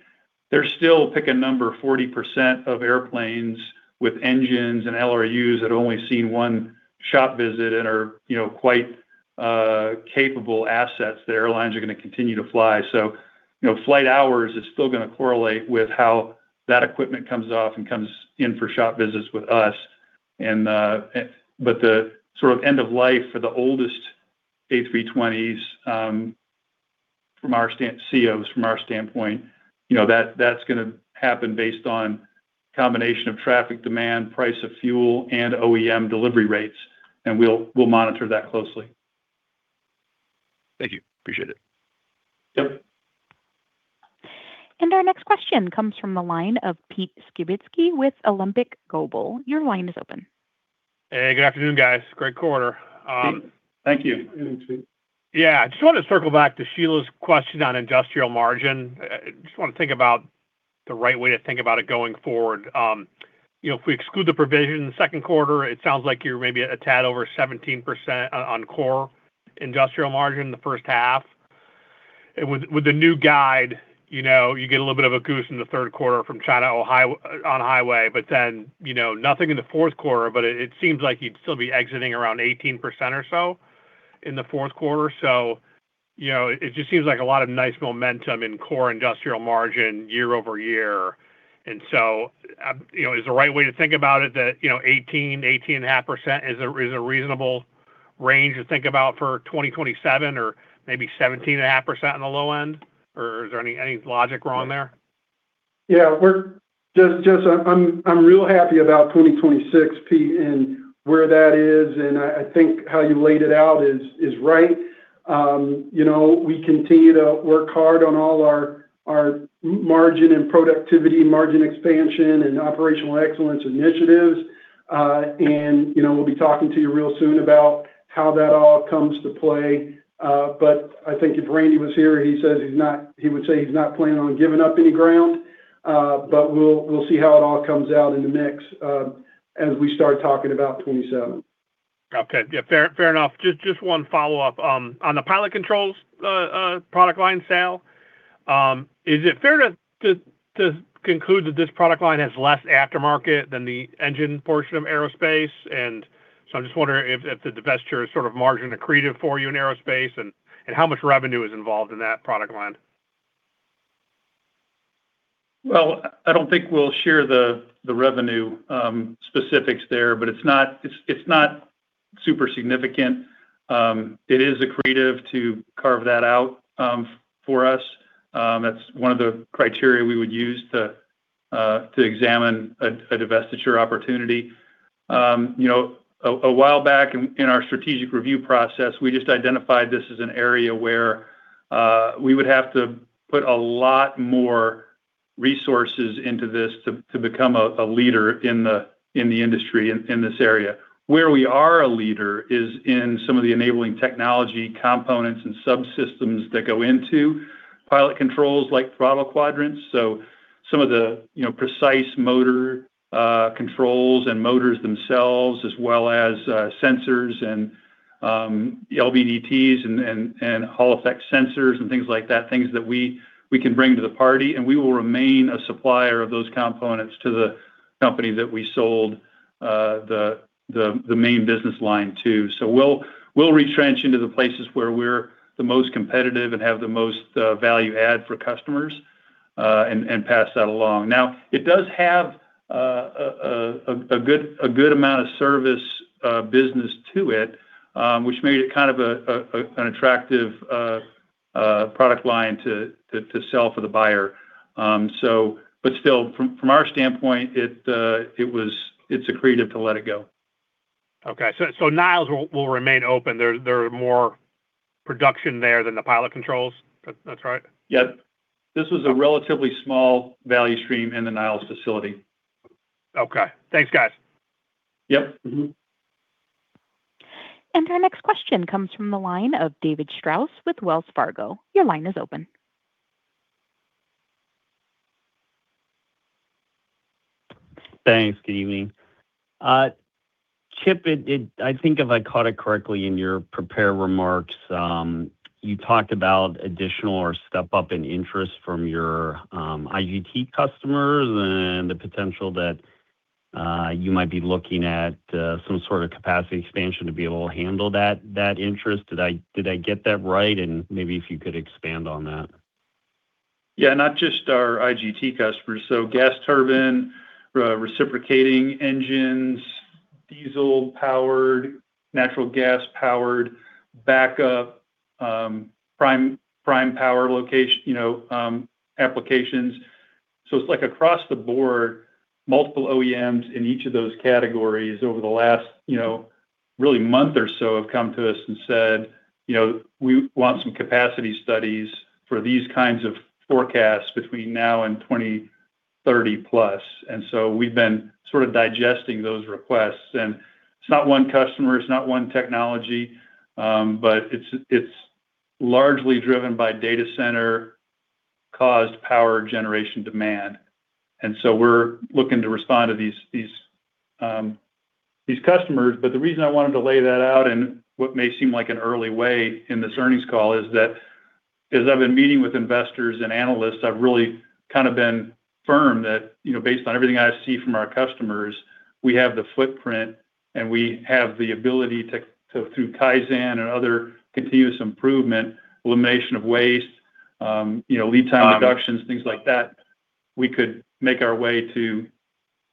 There's still, pick a number, 40% of airplanes with engines and LRUs that only seen one shop visit and are, you know, quite capable assets that airlines are gonna continue to fly. You know, flight hours is still gonna correlate with how that equipment comes off and comes in for shop visits with us. The sort of end of life for the oldest A320s, from our standpoint, you know, that's gonna happen based on combination of traffic demand, price of fuel, and OEM delivery rates, and we'll monitor that closely. Thank you. Appreciate it. Yep. Our next question comes from the line of Pete Skibitski with Alembic Global. Your line is open. Hey, good afternoon, guys. Great quarter. Thank you. Thanks, Pete. Yeah. I just want to circle back to Sheila's question on industrial margin. Just want to think about the right way to think about it going forward. You know, if we exclude the provision in the second quarter, it sounds like you're maybe a tad over 17% on core industrial margin in the first half. With the new guide, you know, you get a little bit of a goose in the third quarter from China On-Highway, but then, you know, nothing in the fourth quarter, but it seems like you'd still be exiting around 18% or so in the fourth quarter. You know, it just seems like a lot of nice momentum in core industrial margin year-over-year. You know, is the right way to think about it that, you know, 18.5% is a reasonable range to think about for 2027 or maybe 17.5% on the low end? Is there any logic wrong there? Yeah. Just I'm real happy about 2026, Pete, and where that is, and I think how you laid it out is right. You know, we continue to work hard on all our margin and productivity, margin expansion, and operational excellence initiatives. And, you know, we'll be talking to you real soon about how that all comes to play. But I think if Randy was here, he would say he's not planning on giving up any ground. But we'll see how it all comes out in the mix as we start talking about 2027. Okay. Yeah. Fair enough. Just one follow-up. On the pilot controls product line sale, is it fair to conclude that this product line has less aftermarket than the engine portion of aerospace? I'm just wondering if the divesture is sort of margin accretive for you in aerospace and how much revenue is involved in that product line. I don't think we'll share the revenue specifics there, but it's not super significant. It is accretive to carve that out for us. That's one of the criteria we would use to examine a divestiture opportunity. You know, a while back in our strategic review process, we just identified this as an area where we would have to put a lot more resources into this to become a leader in the industry in this area. Where we are a leader is in some of the enabling technology components and subsystems that go into pilot controls like throttle quadrants. Some of the, you know, precise motor controls and motors themselves, as well as sensors and LVDTs and Hall Effect sensors and things like that, things that we can bring to the party, and we will remain a supplier of those components to the company that we sold the main business line to. We'll retrench into the places where we're the most competitive and have the most value add for customers and pass that along. Now, it does have a good amount of service business to it, which made it kind of an attractive product line to sell for the buyer. But still from our standpoint, it's accretive to let it go. Okay. Niles will remain open. There are more production there than the pilot controls. That's right? Yep. This was a relatively small value stream in the Niles facility. Okay. Thanks, guys. Yep. Mm-hmm. Our next question comes from the line of David Strauss with Wells Fargo. Your line is open. Thanks. Good evening. Chip, I think if I caught it correctly in your prepared remarks, you talked about additional or step-up in interest from your IGT customers and the potential that you might be looking at some sort of capacity expansion to be able to handle that interest. Did I get that right? Maybe if you could expand on that. Yeah, not just our IGT customers. Gas turbine, reciprocating engines, diesel-powered, natural gas-powered, backup, prime power location, you know, applications. Applications. It's like across the board, multiple OEMs in each of those categories over the last, you know, really month or so have come to us and said, you know, "We want some capacity studies for these kinds of forecasts between now and 2030+." We've been sort of digesting those requests. It's not one customer, it's not one technology, but it's largely driven by data center-caused power generation demand. We're looking to respond to these customers. The reason I wanted to lay that out in what may seem like an early way in this earnings call is that as I've been meeting with investors and analysts, I've really kind of been firm that, you know, based on everything I see from our customers, we have the footprint and we have the ability to, through Kaizen and other continuous improvement, elimination of waste, you know, lead time reductions, things like that, we could make our way to,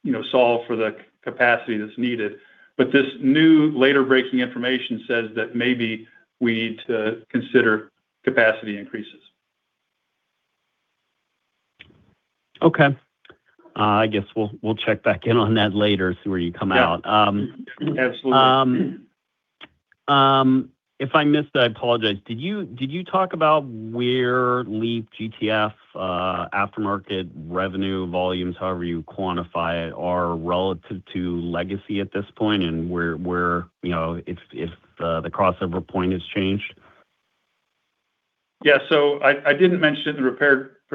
you know, solve for the capacity that's needed. This new later breaking information says that maybe we need to consider capacity increases. Okay. I guess we'll check back in on that later, see where you come out. Yeah. Absolutely. If I missed, I apologize. Did you talk about where LEAP GTF aftermarket revenue volumes, however you quantify it, are relative to legacy at this point? Where, you know, if the crossover point has changed? Yeah. I didn't mention it in the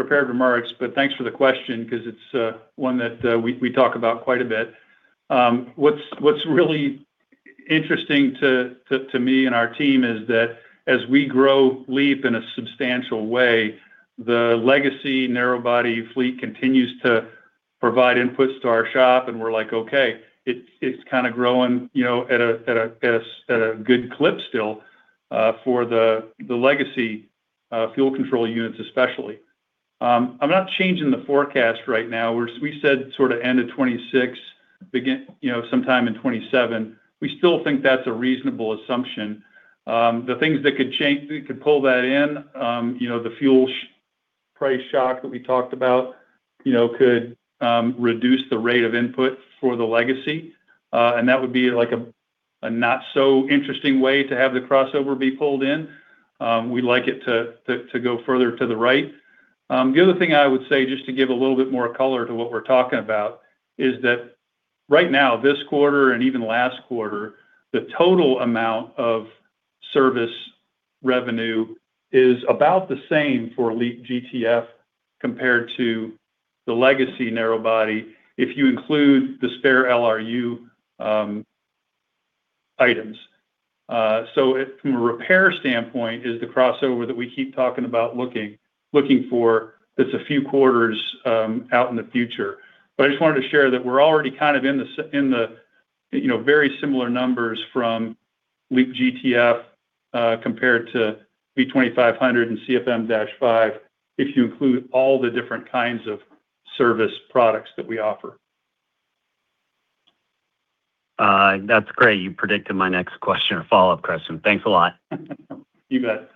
prepared remarks, but thanks for the question 'cause it's one that we talk about quite a bit. What's really interesting to me and our team is that as we grow LEAP in a substantial way, the legacy narrow body fleet continues to provide inputs to our shop, and we're like, "Okay, it's kinda growing, you know, at a good clip still," for the legacy fuel control units especially. I'm not changing the forecast right now. We said sort end of 2026, begin, you know, sometime in 2027. We still think that's a reasonable assumption. The things that could change, could pull that in, you know, the fuel price shock that we talked about, you know, could reduce the rate of input for the legacy. That would be like a not so interesting way to have the crossover be pulled in. We'd like it to go further to the right. The other thing I would say, just to give a little bit more color to what we're talking about, is that right now, this quarter and even last quarter, the total amount of service revenue is about the same for LEAP GTF compared to the legacy narrow body, if you include the spare LRU items. It from a repair standpoint is the crossover that we keep talking about looking for that's a few quarters out in the future. I just wanted to share that we're already kind of in the, you know, very similar numbers from LEAP GTF, compared to V2500 and CFM56-5 if you include all the different kinds of service products that we offer. That's great. You predicted my next question or follow-up question. Thanks a lot. You bet.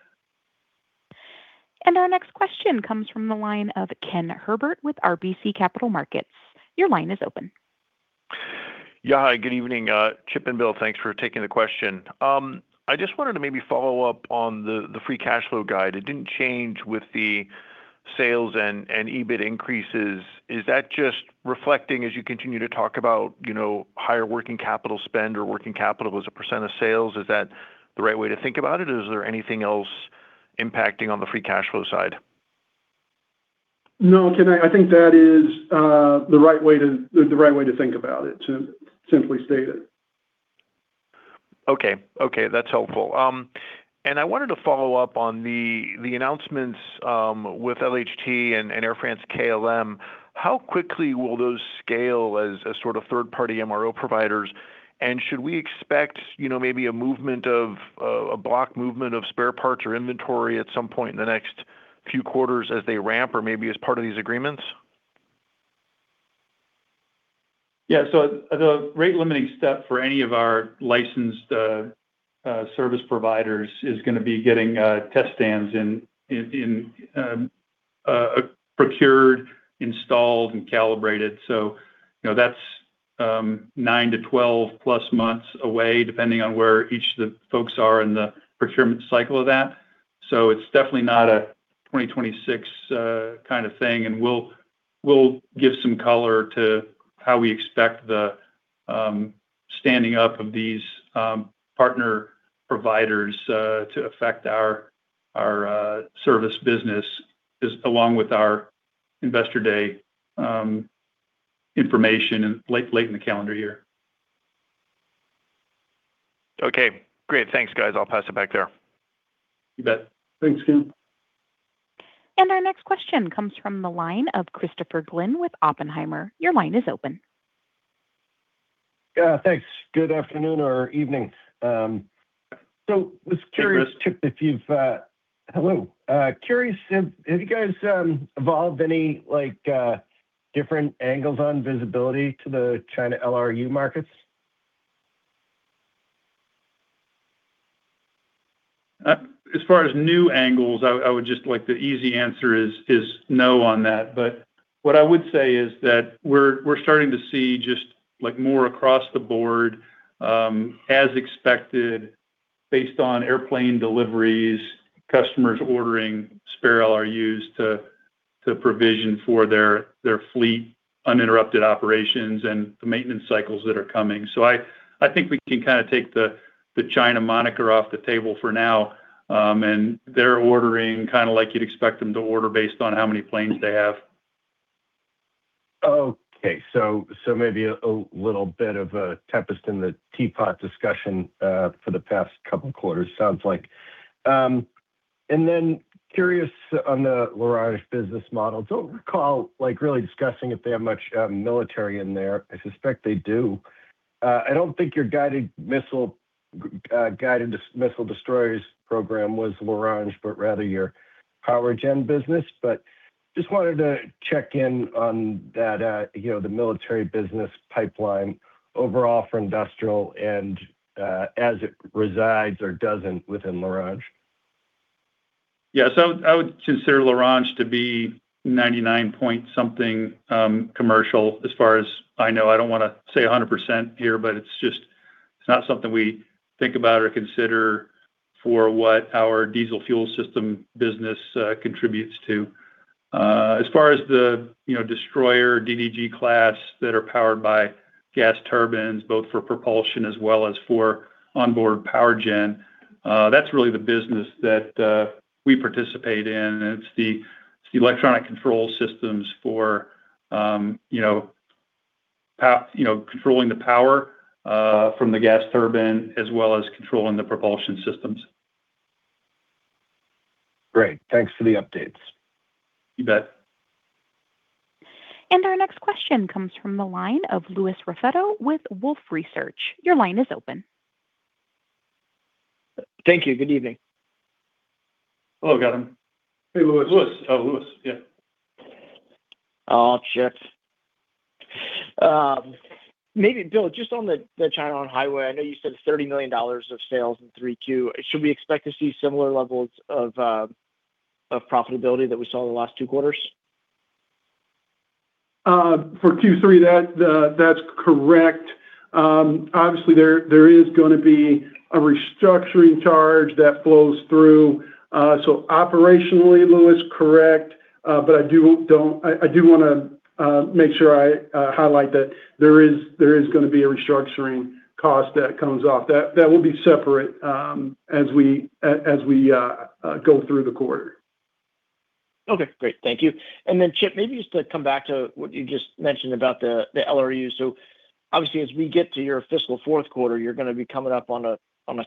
Our next question comes from the line of Ken Herbert with RBC Capital Markets. Your line is open. Yeah. Hi, good evening, Chip and Bill. Thanks for taking the question. I just wanted to maybe follow up on the free cash flow guide. It didn't change with the sales and EBIT increases. Is that just reflecting as you continue to talk about, you know, higher working capital spend or working capital as a percentof sales? Is that the right way to think about it, or is there anything else impacting on the free cash flow side? No, Ken, I think that is the right way to think about it, to simply state it. Okay. Okay, that's helpful. I wanted to follow up on the announcements with LHT and Air France-KLM. How quickly will those scale as sort of third-party MRO providers? Should we expect, you know, maybe a movement of a block movement of spare parts or inventory at some point in the next few quarters as they ramp or maybe as part of these agreements? The rate limiting step for any of our licensed service providers is gonna be getting test stands procured, installed and calibrated. You know, that's nine to 12+ months away depending on where each of the folks are in the procurement cycle of that. It's definitely not a 2026 kind of thing, and we'll give some color to how we expect the standing up of these partner providers to affect our service business along with our investor day information in late in the calendar year. Okay. Great. Thanks, guys. I'll pass it back there. You bet. Thanks, Ken. Our next question comes from the line of Christopher Glynn with Oppenheimer. Your line is open. Yeah, thanks. Good afternoon or evening. I was curious. Hey, Chris. Hello. Curious if, have you guys evolved any like, different angles on visibility to the China LRU markets? As far as new angles, I would just like the easy answer is no on that. What I would say is that we're starting to see just like more across the board, as expected based on airplane deliveries, customers ordering spare LRUs to provision for their fleet uninterrupted operations and the maintenance cycles that are coming. I think we can kind of take the China moniker off the table for now. They're ordering kind of like you'd expect them to order based on how many planes they have. Okay. So maybe a little bit of a tempest in the teapot discussion for the past couple quarters sounds like. Curious on the L'Orange business model. Don't recall like really discussing if they have much military in there. I suspect they do. I don't think your guided missile destroyers program was L'Orange, but rather your power gen business. Just wanted to check in on that, you know, the military business pipeline overall for industrial and as it resides or doesn't within L'Orange. Yeah. I would consider L'Orange to be 99-point something commercial as far as I know. I don't wanna say 100% here, but it's just, it's not something we think about or consider for what our diesel fuel system business contributes to. As far as the, you know, destroyer DDG class that are powered by gas turbines, both for propulsion as well as for onboard power gen, that's really the business that we participate in. It's the, it's the electronic control systems for, you know, controlling the power from the gas turbine as well as controlling the propulsion systems. Great. Thanks for the updates. You bet. Our next question comes from the line of Louis Raffetto with Wolfe Research. Your line is open. Thank you. Good evening. Hello, Gavin. Hey, Louis. Louis. Oh, Louis, yeah. Chip, maybe, Bill, just on the China On-Highway, I know you said $30 million of sales in 3Q. Should we expect to see similar levels of profitability that we saw in the last two quarters? For Q3 that's correct. Obviously there is gonna be a restructuring charge that flows through, so operationally, Louis, correct. I do wanna make sure I highlight that there is gonna be a restructuring cost that comes off that. That will be separate, as we go through the quarter. Okay, great. Thank you. Then Chip, maybe just to come back to what you just mentioned about the LRU. Obviously as we get to your fiscal fourth quarter, you're going to be coming up on a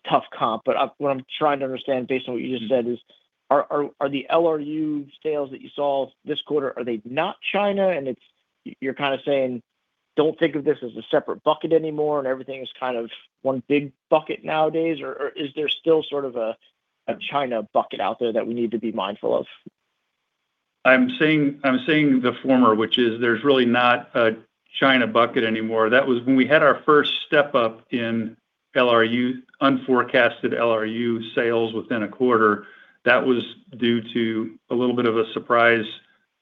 tough comp, but I, what I'm trying to understand based on what you just said is, are the LRU sales that you saw this quarter, are they not China? You're kind of saying, "Don't think of this as a separate bucket anymore, and everything is kind of one big bucket nowadays," or is there still sort of a China bucket out there that we need to be mindful of? I'm saying the former, which is there's really not a China bucket anymore. That was when we had our first step up in LRU, unforecasted LRU sales within a quarter. That was due to a little bit of a surprise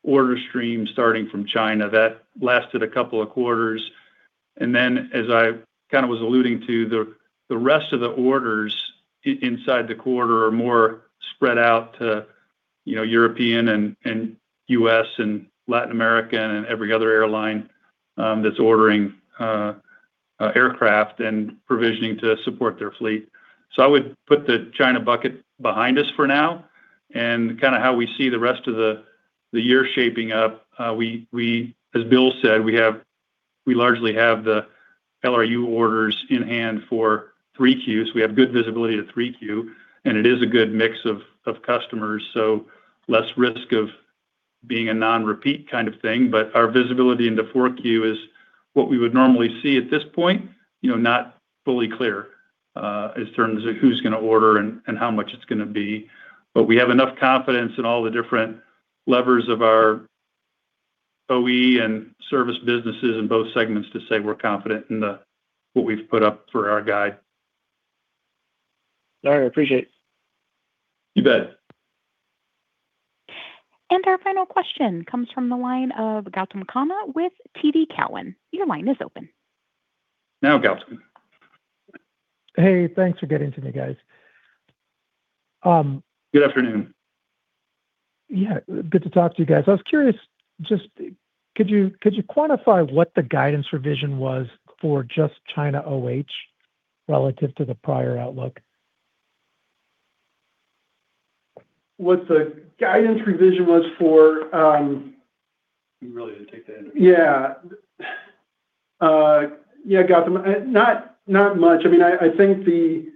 order stream starting from China. That lasted a couple of quarters, as I kind of was alluding to, the rest of the orders inside the quarter are more spread out to, you know, European and U.S. and Latin America and every other airline that's ordering aircraft and provisioning to support their fleet. I would put the China bucket behind us for now and kind of how we see the rest of the year shaping up, we, as Bill said, we largely have the LRU orders in hand for 3Qs. We have good visibility to 3Q. It is a good mix of customers, less risk of being a non-repeat kind of thing. Our visibility into 4Q is what we would normally see at this point, you know, not fully clear in terms of who's gonna order and how much it's gonna be. We have enough confidence in all the different levers of our OE and service businesses in both segments to say we're confident in the what we've put up for our guide. All right, appreciate. You bet. Our final question comes from the line of Gautam Khanna with TD Cowen. Now, Gautam. Hey, thanks for getting to me, guys. Good afternoon. Yeah, good to talk to you guys. I was curious, just could you quantify what the guidance revision was for just China OH relative to the prior outlook? What the guidance revision was for. You really didn't take that interview. Yeah, yeah, Gautam. not much. I mean, I think the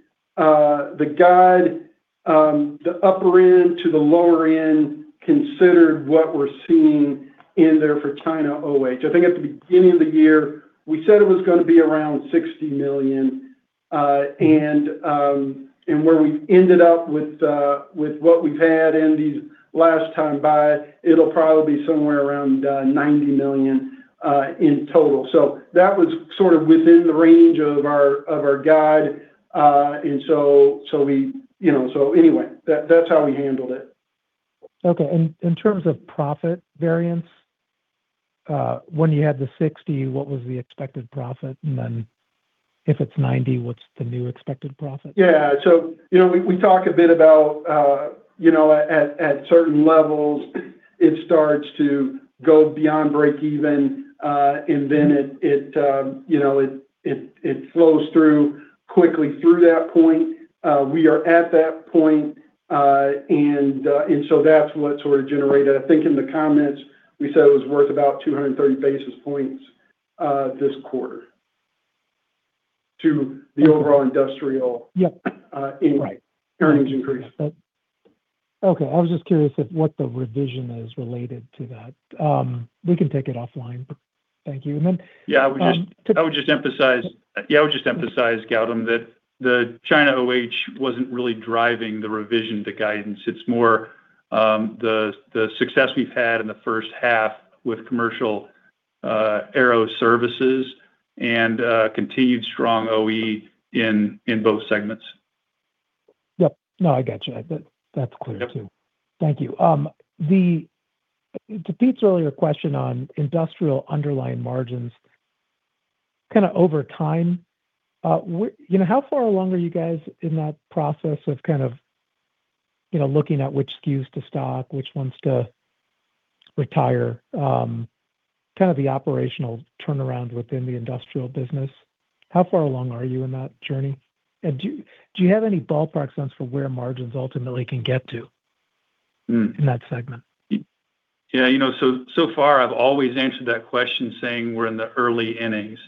guide, the upper end to the lower end considered what we're seeing in there for China OH. I think at the beginning of the year, we said it was gonna be around $60 million, and where we've ended up with what we've had in these last time buy, it'll probably be somewhere around $90 million in total. That was sort of within the range of our guide. We, you know, anyway, that's how we handled it. Okay. In terms of profit variance, when you had the $60, what was the expected profit? If it's $90, what's the new expected profit? Yeah. You know, we talk a bit about, you know, at certain levels it starts to go beyond break even, and then it, you know, it flows through quickly through that point. We are at that point. That's what sort of generated. I think in the comments we said it was worth about 230 basis points this quarter to the overall industrial. Yeah. Right. earnings increase. Okay. I was just curious if what the revision is related to that. We can take it offline, but thank you. Yeah, I would just emphasize. Yeah, I would just emphasize, Gautam, that the China OH wasn't really driving the revision to guidance. It's more, the success we've had in the first half with commercial aero services and continued strong OE in both segments. Yep. No, I got you. That's clear too. Yep. Thank you. To Pete's earlier question on industrial underlying margins, kind of over time, you know, how far along are you guys in that process of kind of, you know, looking at which SKUs to stock, which ones to retire, kind of the operational turnaround within the industrial business? How far along are you in that journey? Do you have any ballpark sense for where margins ultimately can get to? Hmm In that segment? You know, so far I've always answered that question saying we're in the early innings,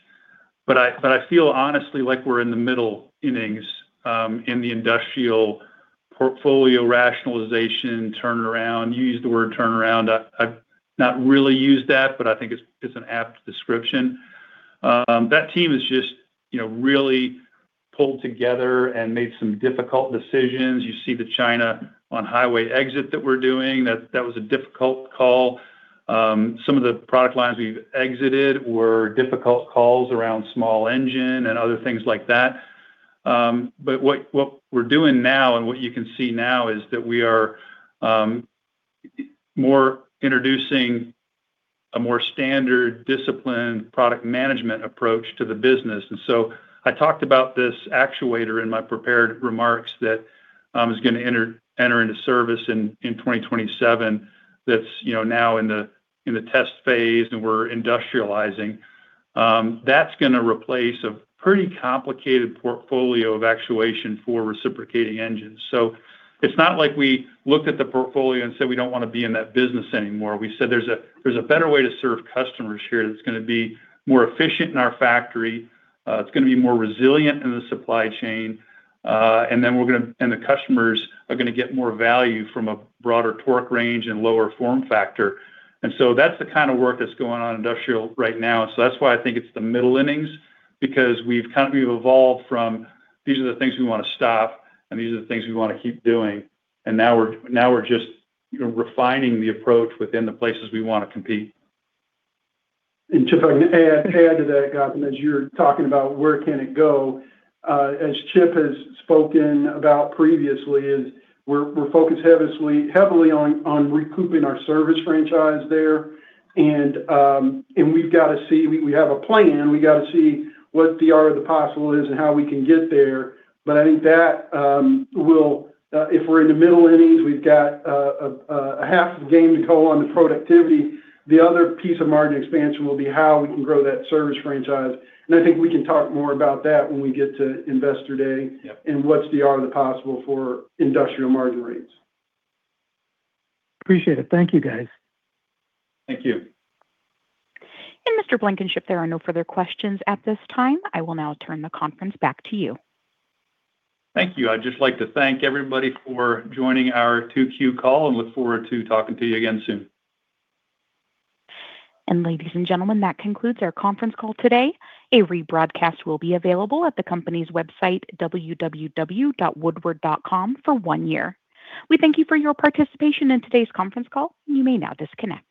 but I feel honestly like we're in the middle innings in the industrial portfolio rationalization turnaround. You used the word turnaround. I've not really used that, I think it's an apt description. That team has just, you know, really pulled together and made some difficult decisions. You see the China On-Highway exit that we're doing, that was a difficult call. Some of the product lines we've exited were difficult calls around small engine and other things like that. What we're doing now and what you can see now is that we are more introducing a more standard disciplined product management approach to the business. I talked about this actuator in my prepared remarks that is going to enter into service in 2027. That is, you know, now in the test phase and we are industrializing. That is going to replace a pretty complicated portfolio of actuation for reciprocating engines. It is not like we looked at the portfolio and said we do not want to be in that business anymore. We said there is a better way to serve customers here that is going to be more efficient in our factory. It is going to be more resilient in the supply chain. The customers are going to get more value from a broader torque range and lower form factor. That is the kind of work that is going on industrial right now. That's why I think it's the middle innings, because we've kind of evolved from these are the things we want to stop and these are the things we want to keep doing, and now we're just, you know, refining the approach within the places we want to compete. Chip, if I can add to that, Gautam, as you're talking about where can it go, as Chip has spoken about previously is we're focused heavily on recouping our service franchise there. We've got to see, we have a plan, we got to see what the art of the possible is and how we can get there. I think that, if we're in the middle innings, we've got a half game to go on the productivity. The other piece of margin expansion will be how we can grow that service franchise. I think we can talk more about that when we get to Investor Day. Yep What's the art of the possible for industrial margin rates? Appreciate it. Thank you, guys. Thank you. Mr. Blankenship, there are no further questions at this time. I will now turn the conference back to you. Thank you. I'd just like to thank everybody for joining our 2Q call, and look forward to talking to you again soon. Ladies and gentlemen, that concludes our conference call today. A rebroadcast will be available at the company's website, www.woodward.com, for one year. We thank you for your participation in today's conference call. You may now disconnect.